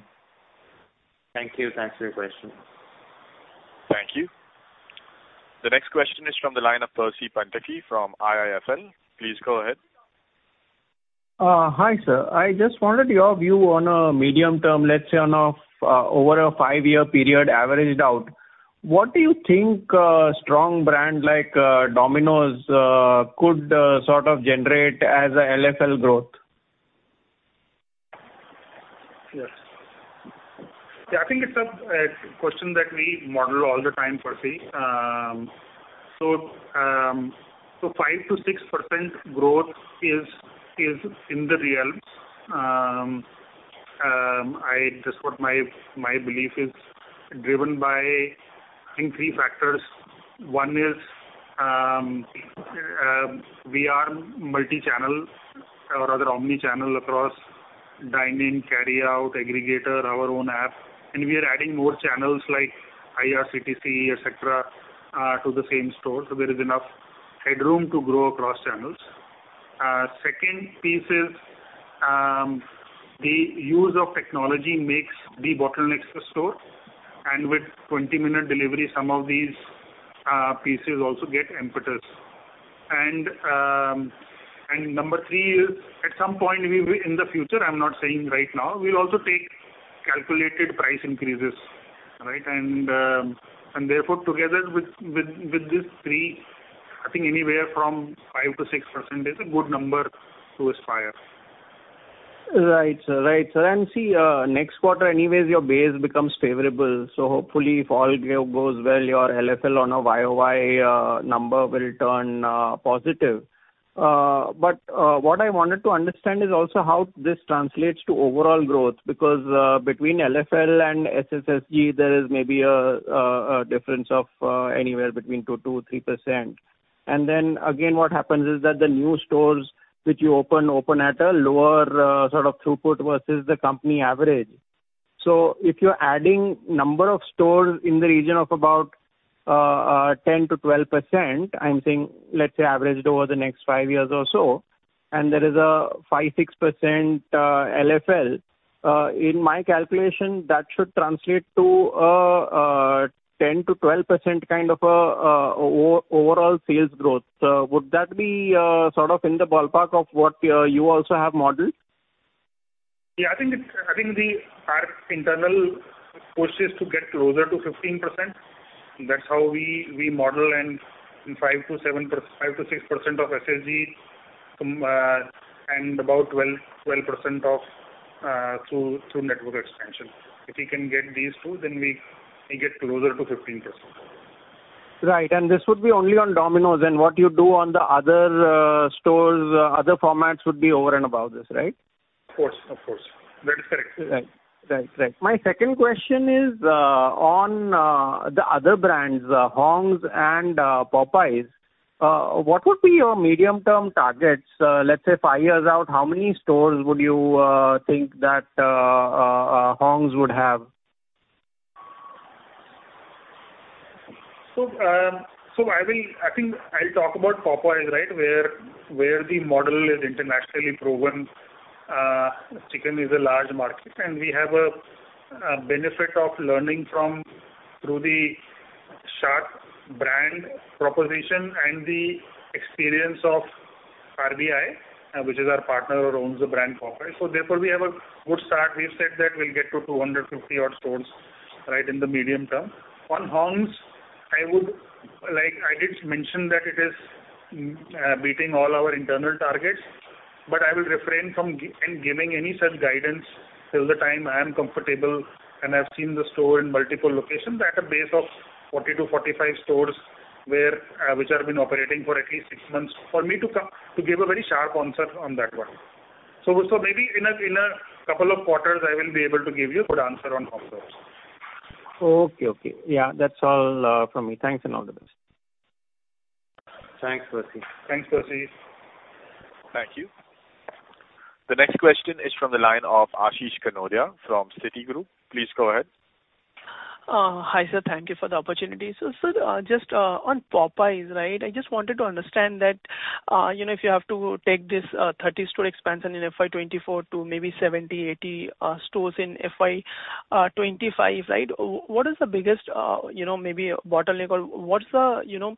Speaker 8: Thank you. Thanks for your question.
Speaker 1: Thank you. The next question is from the line of Percy Panthaki from IIFL. Please go ahead.
Speaker 12: Hi, sir. I just wanted your view on a medium term, let's say, on a, over a five-year period, averaged out. What do you think a strong brand like, Domino's, could, sort of generate as a LFL growth?
Speaker 4: Yes. Yeah, I think it's a question that we model all the time, Percy. So, 5%-6% growth is in the realms. That's what my belief is driven by, I think, three factors. One is, we are multi-channel or rather omni-channel across dine-in, carryout, aggregator, our own app, and we are adding more channels like IRCTC, et cetera, to the same store. So there is enough headroom to grow across channels. Second piece is, the use of technology makes de-bottleneck the store, and with 20-minute delivery, some of these pieces also get impetus. And number three is, at some point in the future, I'm not saying right now, we also take calculated price increases, right? Therefore, together with these three, I think anywhere from 5%-6% is a good number to aspire.
Speaker 12: Right, sir. Right, sir. And see, next quarter, anyways, your base becomes favorable. So hopefully, if all goes well, your LFL on a YoY number will turn positive. But what I wanted to understand is also how this translates to overall growth, because between LFL and SSSG, there is maybe a difference of anywhere between 2%-3%. And then again, what happens is that the new stores which you open open at a lower sort of throughput versus the company average. So if you're adding number of stores in the region of about 10%-12%, I'm saying, let's say, averaged over the next 5 years or so, and there is a 5%-6% LFL, in my calculation, that should translate to a 10%-12% kind of overall sales growth. Would that be sort of in the ballpark of what you also have modeled?...
Speaker 4: Yeah, I think it's our internal push is to get closer to 15%. That's how we model and 5%-7%, 5%-6% of SSG, and about 12%, 12% of through network expansion. If we can get these two, then we get closer to 15%.
Speaker 12: Right. And this would be only on Domino's, and what you do on the other stores, other formats would be over and above this, right?
Speaker 4: Of course, of course. That is correct.
Speaker 12: Right. Right, right. My second question is, on, the other brands, Hong's and, Popeyes. What would be your medium-term targets? Let's say, five years out, how many stores would you, think that, Hong's would have?
Speaker 4: I think I'll talk about Popeyes, right, where the model is internationally proven. Chicken is a large market, and we have a benefit of learning from through the sharp brand proposition and the experience of RBI, which is our partner who owns the brand Popeyes. So therefore, we have a good start. We've said that we'll get to 250 odd stores, right, in the medium term. On Hong's, I would, like I did mention that it is beating all our internal targets, but I will refrain from giving any such guidance till the time I am comfortable, and I've seen the store in multiple locations at a base of 40-45 stores, where which have been operating for at least six months, for me to come to give a very sharp answer on that one. So maybe in a couple of quarters, I will be able to give you a good answer on Hong's stores.
Speaker 12: Okay, okay. Yeah, that's all from me. Thanks, and all the best.
Speaker 8: Thanks, Percy.
Speaker 4: Thanks, Percy.
Speaker 1: Thank you. The next question is from the line of Ashish Kanodia from Citigroup. Please go ahead.
Speaker 13: Hi, sir. Thank you for the opportunity. So, sir, just on Popeyes, right? I just wanted to understand that, you know, if you have to take this 30 store expansion in FY 2024 to maybe 70, 80 stores in FY 2025, right? What is the biggest, you know, maybe bottleneck or what's the, you know,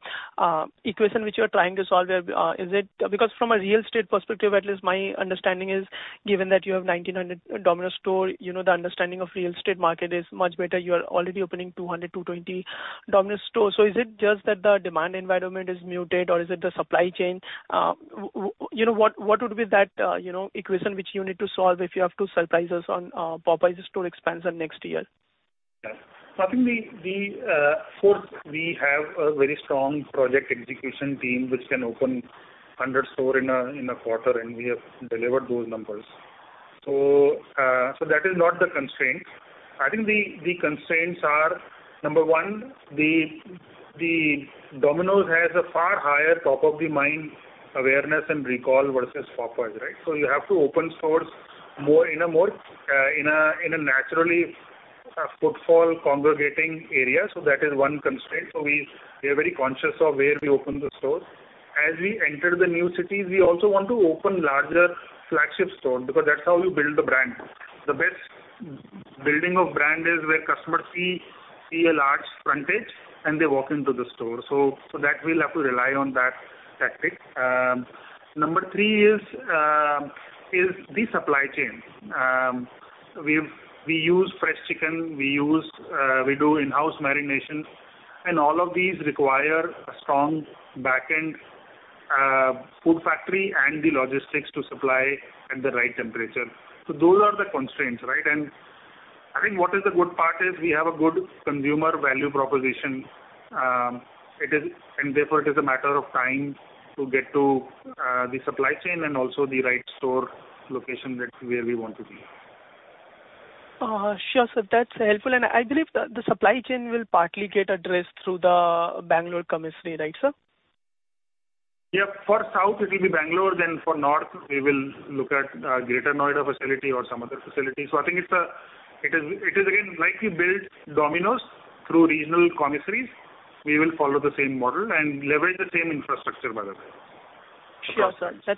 Speaker 13: equation which you are trying to solve there? Is it because from a real estate perspective, at least my understanding is, given that you have 1,900 Domino's store, you know, the understanding of real estate market is much better. You are already opening 200-220 Domino's store. So is it just that the demand environment is muted, or is it the supply chain? You know, what would be that, you know, equation which you need to solve if you have to surprise us on Popeyes store expansion next year?
Speaker 4: Yeah. I think the first, we have a very strong project execution team, which can open 100 stores in a quarter, and we have delivered those numbers. So, that is not the constraint. I think the constraints are, number one, the Domino's has a far higher top-of-the-mind awareness and recall versus Popeyes, right? So you have to open stores more in a more naturally footfall congregating area. So that is one constraint. So we are very conscious of where we open the stores. As we enter the new cities, we also want to open larger flagship store, because that's how you build the brand. The best building of brand is where customers see a large frontage, and they walk into the store. So, that we'll have to rely on that tactic. Number three is the supply chain. We use fresh chicken, we do in-house marination, and all of these require a strong back end, food factory and the logistics to supply at the right temperature. So those are the constraints, right? And I think what is the good part is we have a good consumer value proposition. It is, and therefore, it is a matter of time to get to the supply chain and also the right store location that's where we want to be.
Speaker 13: Sure, sir, that's helpful. And I believe the supply chain will partly get addressed through the Bangalore commissary, right, sir?
Speaker 4: Yeah, for South, it will be Bangalore, then for North, we will look at Greater Noida facility or some other facility. So I think it is again, like we built Domino's through regional commissaries. We will follow the same model and leverage the same infrastructure by the way.
Speaker 13: Sure, sir. Sure, sir.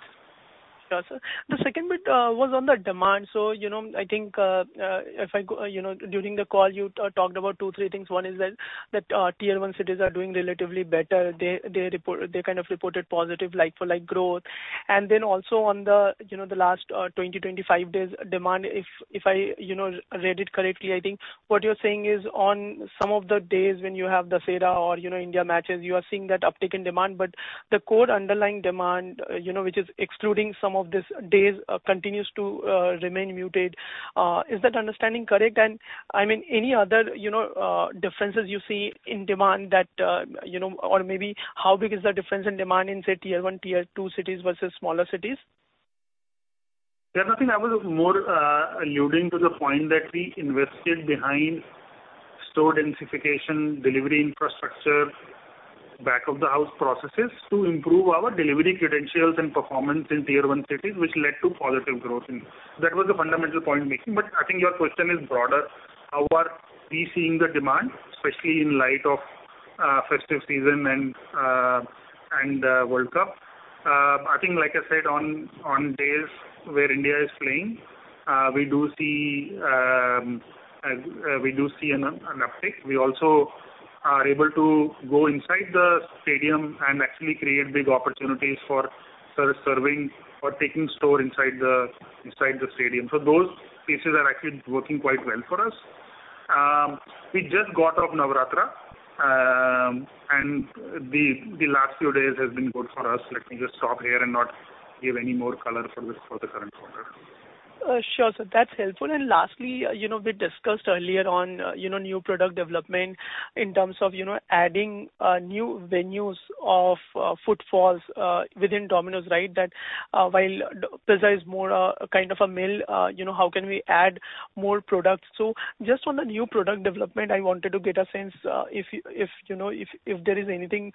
Speaker 13: The second bit was on the demand. So, you know, I think, if I go, you know, during the call, you talked about two, three things. One is that, tier-one cities are doing relatively better. They report, they kind of reported positive, like-for-like growth. And then also on the, you know, the last 20-25 days demand, if I, you know, read it correctly, I think what you're saying is, on some of the days when you have Dussehra or, you know, India matches, you are seeing that uptick in demand, but the core underlying demand, you know, which is excluding some of these days, continues to remain muted. Is that understanding correct? I mean, any other, you know, differences you see in demand that, you know, or maybe how big is the difference in demand in, say, Tier 1, Tier 2 cities versus smaller cities?
Speaker 4: Yeah, I think I was more alluding to the point that we invested behind store densification, delivery infrastructure, back-of-the-house processes to improve our delivery credentials and performance in tier-one cities, which led to positive growth. That was the fundamental point making. But I think your question is broader. How are we seeing the demand, especially in light of festive season and World Cup? I think, like I said, on days where India is playing, we do see an uptick. We also are able to go inside the stadium and actually create big opportunities for serving or taking store inside the stadium. So those pieces are actually working quite well for us. We just got off Navaratri, and the last few days has been good for us. Let me just stop here and not give any more color for this, for the current quarter.
Speaker 13: Sure, sir, that's helpful. And lastly, you know, we discussed earlier on, you know, new product development in terms of, you know, adding, new venues of, footfalls, within Domino's, right? That, while pizza is more, kind of a meal, you know, how can we add more products? So just on the new product development, I wanted to get a sense, if you know, if, if there is anything,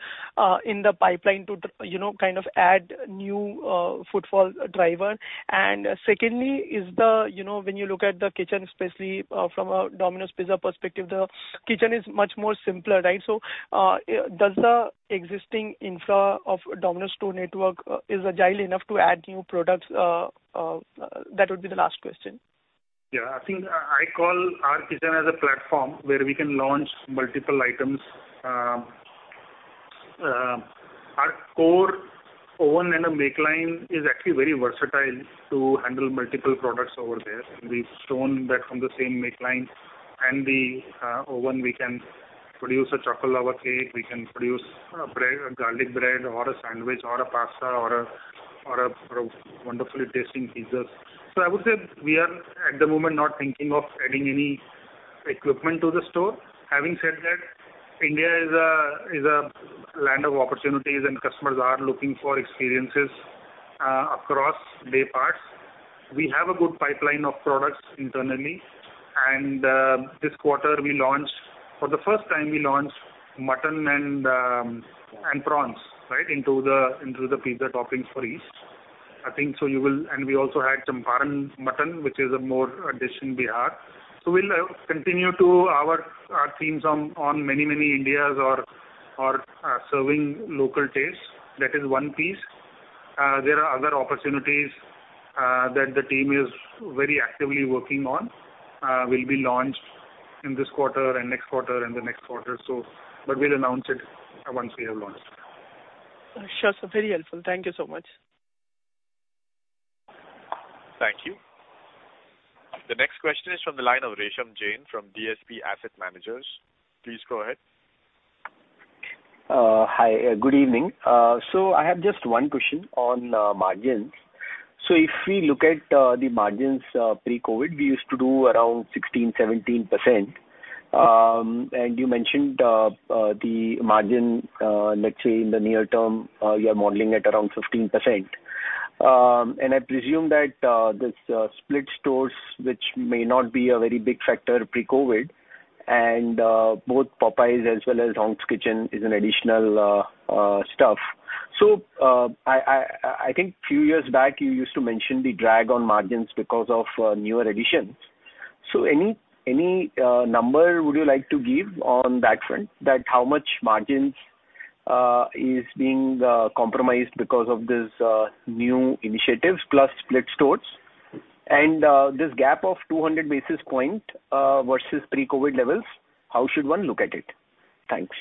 Speaker 13: in the pipeline to, you know, kind of add new, footfall driver. And secondly, is the... You know, when you look at the kitchen, especially, from a Domino's Pizza perspective, the kitchen is much more simpler, right? So, does the existing infra of Domino's store network, is agile enough to add new products? That would be the last question.
Speaker 4: Yeah, I think, I call our kitchen as a platform where we can launch multiple items. Our core oven and a makeline is actually very versatile to handle multiple products over there. We've shown that from the same makeline and the, oven, we can produce a chocolate lava cake, we can produce a bread, a garlic bread, or a sandwich, or a pasta, or a, or a, or a wonderfully tasting pizzas. So I would say we are, at the moment, not thinking of adding any equipment to the store. Having said that, India is a, is a land of opportunities, and customers are looking for experiences, across dayparts. We have a good pipeline of products internally, and this quarter we launched—for the first time, we launched mutton and prawns, right, into the pizza toppings for East. I think so you will—And we also had Champaran Mutton, which is a more addition Bihar. So we'll continue to our teams on many, many Indias serving local tastes. That is one piece. There are other opportunities that the team is very actively working on, will be launched in this quarter and next quarter and the next quarter, so... But we'll announce it once we have launched.
Speaker 13: Sure, sir. Very helpful. Thank you so much.
Speaker 1: Thank you. The next question is from the line of Resham Jain from DSP Asset Managers. Please go ahead.
Speaker 14: Hi, good evening. So I have just one question on margins. So if we look at the margins pre-COVID, we used to do around 16, 17%. And you mentioned the margin, let's say, in the near term, you are modeling at around 15%. And I presume that this split stores, which may not be a very big factor pre-COVID, and both Popeyes as well as Hong's Kitchen is an additional stuff. So I think a few years back, you used to mention the drag on margins because of newer additions. So any number would you like to give on that front, that how much margins is being compromised because of this new initiatives, plus split stores? This gap of 200 basis points versus pre-COVID levels, how should one look at it? Thanks.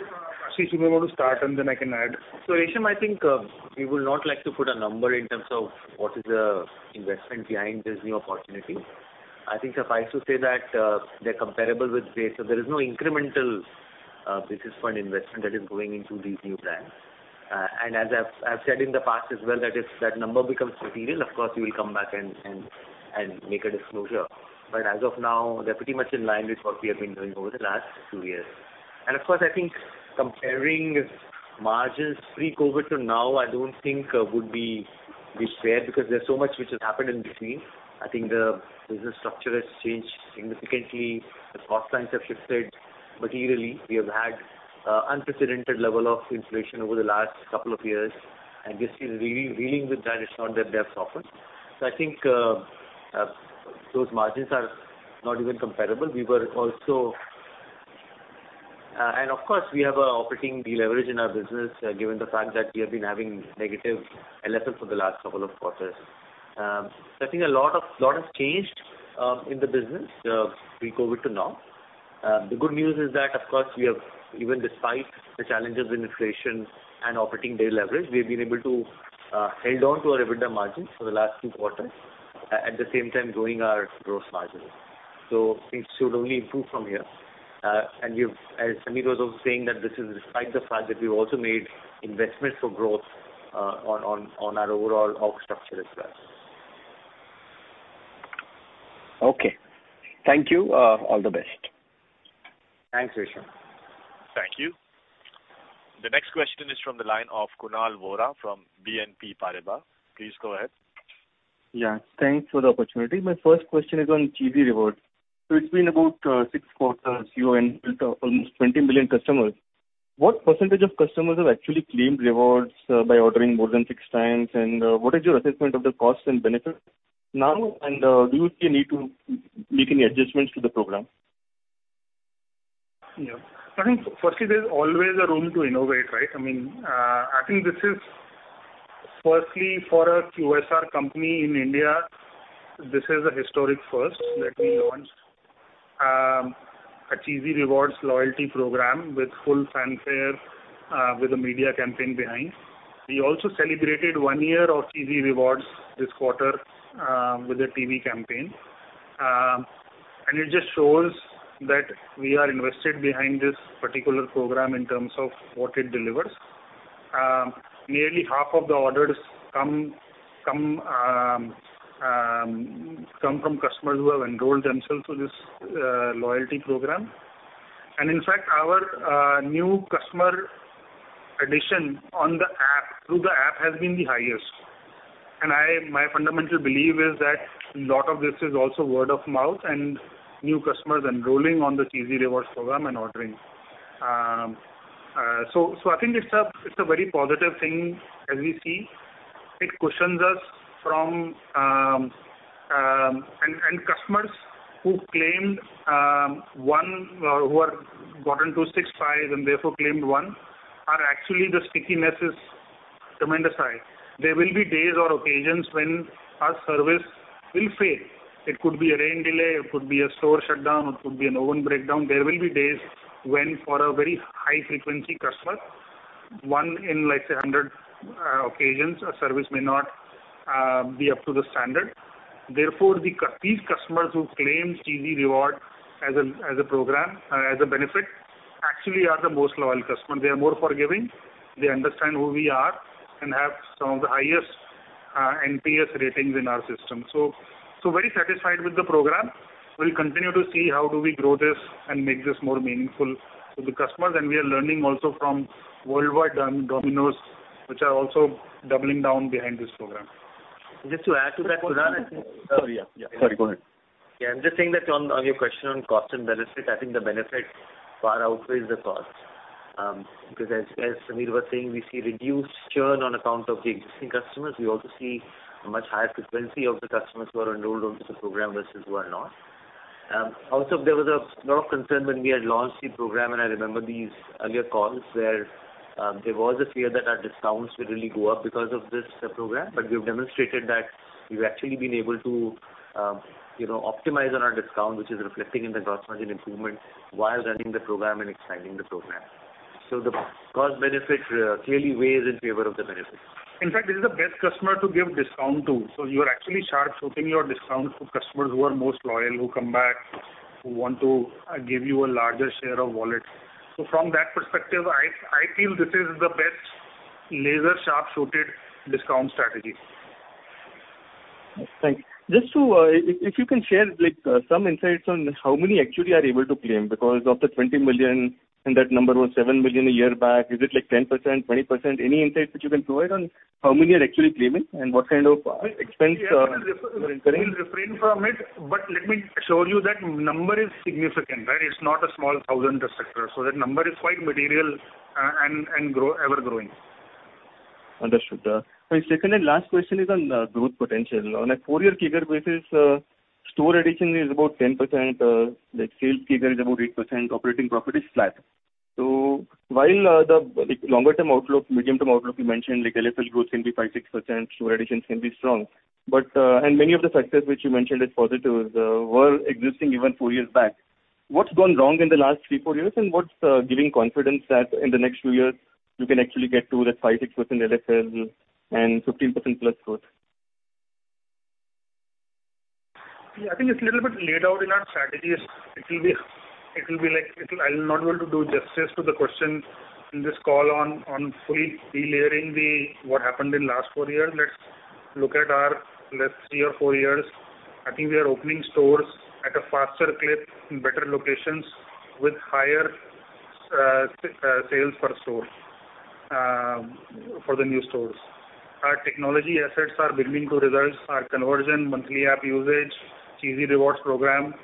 Speaker 4: Ashish, you may want to start, and then I can add.
Speaker 8: So, Resham, I think, we would not like to put a number in terms of what is the investment behind this new opportunity. I think suffice to say that, they're comparable with base, so there is no incremental, basis for an investment that is going into these new brands. And as I've, I've said in the past as well, that if that number becomes material, of course, we will come back and, and, and make a disclosure. But as of now, they're pretty much in line with what we have been doing over the last two years. And of course, I think comparing margins pre-COVID to now, I don't think would be, be fair, because there's so much which has happened in between. I think the business structure has changed significantly. The cost lines have shifted materially. We have had unprecedented level of inflation over the last couple of years, and this is really reeling with that. It's not that they have softened. So I think those margins are not even comparable. We were also... and of course, we have an operating deleverage in our business, given the fact that we have been having negative LFL for the last couple of quarters. So I think a lot of, lot has changed in the business pre-COVID to now. The good news is that, of course, we have, even despite the challenges in inflation and operating deleverage, we've been able to hold on to our EBITDA margins for the last two quarters, at the same time, growing our gross margins. So things should only improve from here. And you've – as Sameer was also saying, that this is despite the fact that we've also made investments for growth on our overall org structure as well.
Speaker 14: Okay. Thank you. All the best.
Speaker 8: Thanks, Resham.
Speaker 1: Thank you. The next question is from the line of Kunal Vora from BNP Paribas. Please go ahead.
Speaker 15: Yeah, thanks for the opportunity. My first question is on Cheesy Rewards. So it's been about six quarters, you enrolled almost 20 million customers. What percentage of customers have actually claimed rewards by ordering more than six times? And what is your assessment of the costs and benefits now? And do you see a need to make any adjustments to the program? ...
Speaker 4: Yeah. I think firstly, there's always a room to innovate, right? I mean, I think this is firstly for a QSR company in India, this is a historic first that we launched a Cheesy Rewards loyalty program with full fanfare with a media campaign behind. We also celebrated one year of Cheesy Rewards this quarter with a TV campaign. And it just shows that we are invested behind this particular program in terms of what it delivers. Nearly half of the orders come from customers who have enrolled themselves to this loyalty program. And in fact, our new customer addition on the app, through the app, has been the highest. And I my fundamental belief is that a lot of this is also word of mouth and new customers enrolling on the Cheesy Rewards program and ordering. So I think it's a very positive thing as we see. It cushions us from... Customers who claimed one, who are gotten to six times and therefore claimed one, are actually the stickiness is tremendous high. There will be days or occasions when our service will fail. It could be a rain delay, it could be a store shutdown, it could be an oven breakdown. There will be days when for a very high frequency customer, one in, like, say, 100 occasions, our service may not be up to the standard. Therefore, these customers who claim Cheesy Rewards as a program as a benefit, actually are the most loyal customers. They are more forgiving, they understand who we are, and have some of the highest NPS ratings in our system. So, so very satisfied with the program. We'll continue to see how do we grow this and make this more meaningful to the customers, and we are learning also from worldwide, Domino's, which are also doubling down behind this program.
Speaker 8: Just to add to that, Kunal, I think-
Speaker 4: Sorry, yeah. Yeah, sorry, go ahead.
Speaker 8: Yeah, I'm just saying that on, on your question on cost and benefit, I think the benefit far outweighs the cost. Because as, as Sameer was saying, we see reduced churn on account of the existing customers. We also see a much higher frequency of the customers who are enrolled on this program versus who are not. Also, there was a lot of concern when we had launched the program, and I remember these earlier calls where there was a fear that our discounts would really go up because of this program. But we've demonstrated that we've actually been able to, you know, optimize on our discount, which is reflecting in the gross margin improvement while running the program and expanding the program. So the cost benefit clearly weighs in favor of the benefit.
Speaker 4: In fact, this is the best customer to give discount to. So you are actually sharp shooting your discount to customers who are most loyal, who come back, who want to, give you a larger share of wallet. So from that perspective, I feel this is the best laser sharp sorted discount strategy.
Speaker 15: Thanks. Just to... If, if you can share, like, some insights on how many actually are able to claim, because of the 20 million, and that number was 7 million a year back, is it like 10%, 20%? Any insight which you can provide on how many are actually claiming, and what kind of expense you are incurring?
Speaker 4: We'll refrain from it, but let me assure you that number is significant, right? It's not a small thousand et cetera. So that number is quite material, and growing, ever-growing.
Speaker 15: Understood. My second and last question is on the growth potential. On a 4-year CAGR basis, store addition is about 10%, the sales CAGR is about 8%, operating profit is flat. So while, the, like, longer term outlook, medium-term outlook, you mentioned, like, LFL growth can be 5%-6%, store additions can be strong. But, and many of the factors which you mentioned as positives, were existing even 4 years back. What's gone wrong in the last 3-4 years? And what's giving confidence that in the next 2 years, you can actually get to the 5%-6% LFL and 15%+ growth?
Speaker 4: Yeah, I think it's a little bit laid out in our strategies. I'll not be able to do justice to the question in this call on fully delayering what happened in the last four years. Let's look at our last three or four years. I think we are opening stores at a faster clip, in better locations, with higher sales per store for the new stores. Our technology assets are building to results. Our conversion, monthly app usage, Cheesy Rewards program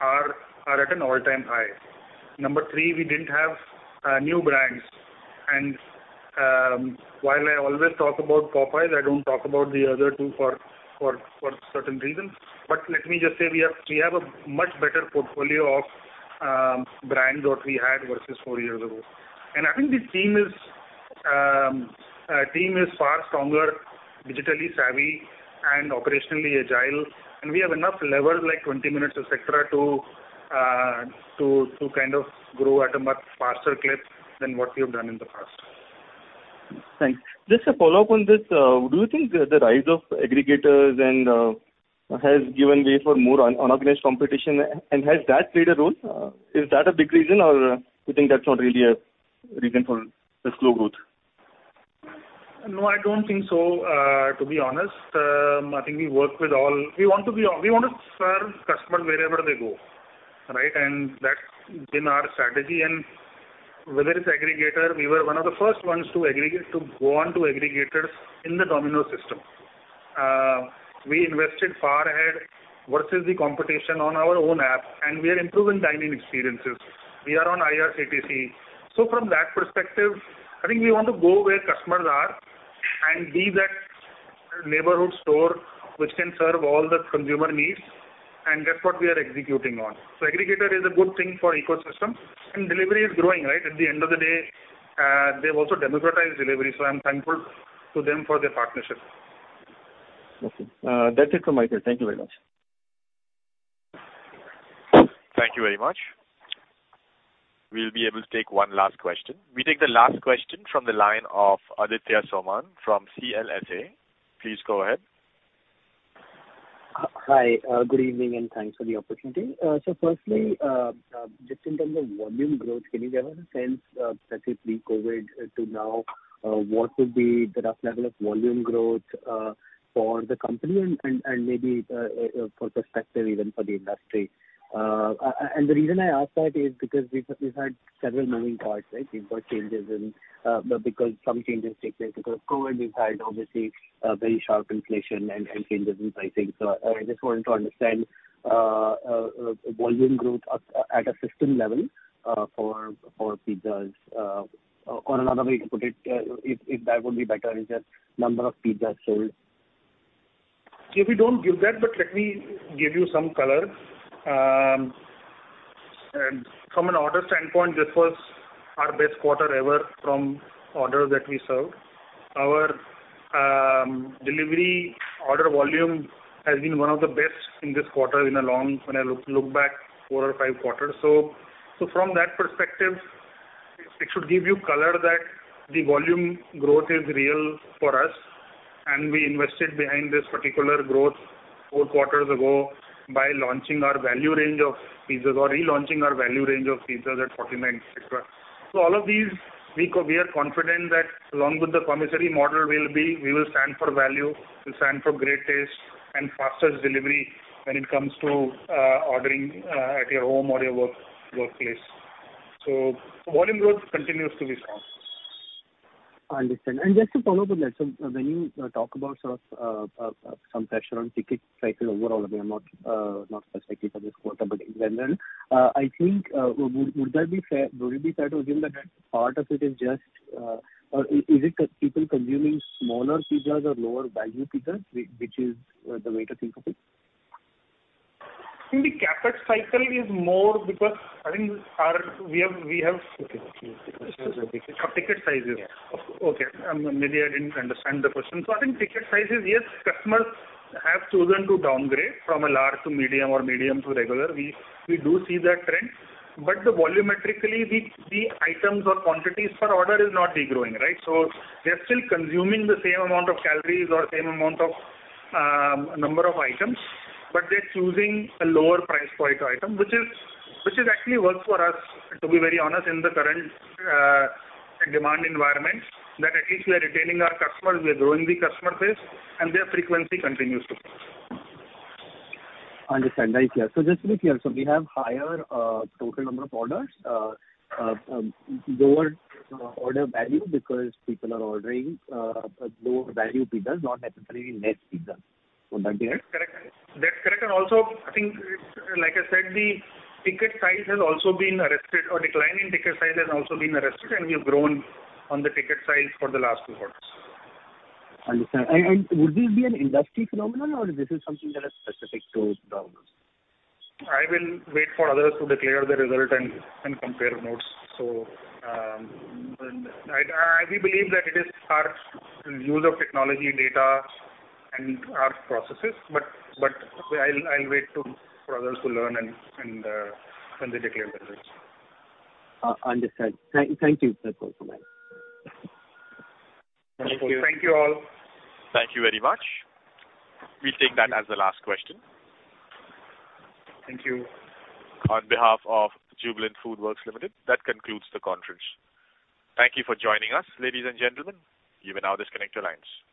Speaker 4: are at an all-time high. Number three, we didn't have new brands. And while I always talk about Popeyes, I don't talk about the other two for certain reasons. But let me just say, we have a much better portfolio of brands what we had versus four years ago. I think the team is far stronger, digitally savvy and operationally agile, and we have enough lever, like 20 minutes, et cetera, to kind of grow at a much faster clip than what we have done in the past.
Speaker 15: Thanks. Just a follow-up on this, do you think the rise of aggregators and has given way for more unorganized competition, and has that played a role? Is that a big reason, or you think that's not really a reason for the slow growth?
Speaker 4: No, I don't think so, to be honest. I think we work with all. We want to serve customer wherever they go, right? And that's been our strategy. And whether it's aggregator, we were one of the first ones to aggregate, to go on to aggregators in the Domino system. We invested far ahead versus the competition on our own app, and we are improving dining experiences. We are on IRCTC. So from that perspective, I think we want to go where customers are and be that neighborhood store, which can serve all the consumer needs, and that's what we are executing on. So aggregator is a good thing for ecosystem, and delivery is growing, right? At the end of the day, they've also democratized delivery, so I'm thankful to them for their partnership.
Speaker 15: Okay. That's it from my end. Thank you very much.
Speaker 1: Thank you very much. We'll be able to take one last question. We take the last question from the line of Aditya Soman from CLSA. Please go ahead.
Speaker 16: Hi, good evening, and thanks for the opportunity. So firstly, just in terms of volume growth, can you give us a sense of, that is pre-COVID, to now, what would be the rough level of volume growth, for the company and, and, and maybe, for perspective, even for the industry? And the reason I ask that is because we've had several moving parts, right? We've got changes in, because some changes take place because of COVID. We've had obviously, a very sharp inflation and changes in pricing. So I just wanted to understand, volume growth at a system level, for pizzas. Or another way to put it, if that would be better, is the number of pizzas sold.
Speaker 4: We don't give that, but let me give you some color. From an order standpoint, this was our best quarter ever from orders that we served. Our delivery order volume has been one of the best in this quarter in a long... when I look back 4 or 5 quarters. So from that perspective, it should give you color that the volume growth is real for us, and we invested behind this particular growth four quarters ago by launching our value range of pizzas or relaunching our value range of pizzas at 49 extra. So all of these, we are confident that along with the commissary model, we will stand for value, we will stand for great taste and fastest delivery when it comes to ordering at your home or your work, workplace. So volume growth continues to be strong.
Speaker 16: Understand. And just to follow up on that, so when you talk about sort of some pressure on ticket cycle overall, I mean, not specifically for this quarter, but in general, I think would it be fair to assume that part of it is just or is it people consuming smaller pizzas or lower value pizzas, which is the way to think of it?
Speaker 4: I think the ticket cycle is more because I think our—we have.
Speaker 16: Okay.
Speaker 4: Our ticket sizes.
Speaker 16: Yeah.
Speaker 4: Okay, maybe I didn't understand the question. So I think ticket sizes, yes, customers have chosen to downgrade from a large to medium or medium to regular. We, we do see that trend, but volumetrically, the items or quantities per order is not degrowing, right? So they're still consuming the same amount of calories or same amount of number of items, but they're choosing a lower price point item, which is, which is actually works for us, to be very honest, in the current demand environment, that at least we are retaining our customers, we are growing the customer base, and their frequency continues to grow.
Speaker 16: Understand. Right. Yeah. So just to be clear, so we have higher total number of orders, lower order value because people are ordering low value pizzas, not necessarily less pizza. Would that be right?
Speaker 4: Correct. That's correct. And also, I think, like I said, the ticket size has also been arrested or decline in ticket size has also been arrested, and we have grown on the ticket size for the last two quarters.
Speaker 16: Understood. And would this be an industry phenomenon or this is something that is specific to Domino's?
Speaker 4: I will wait for others to declare the result and compare notes. So, we believe that it is our use of technology, data and our processes, but I'll wait for others to learn when they declare the results.
Speaker 16: Understood. Thank you. That's all for me.
Speaker 4: Thank you all.
Speaker 1: Thank you very much. We'll take that as the last question.
Speaker 4: Thank you.
Speaker 1: On behalf of Jubilant FoodWorks Limited, that concludes the conference. Thank you for joining us, ladies and gentlemen. You may now disconnect your lines.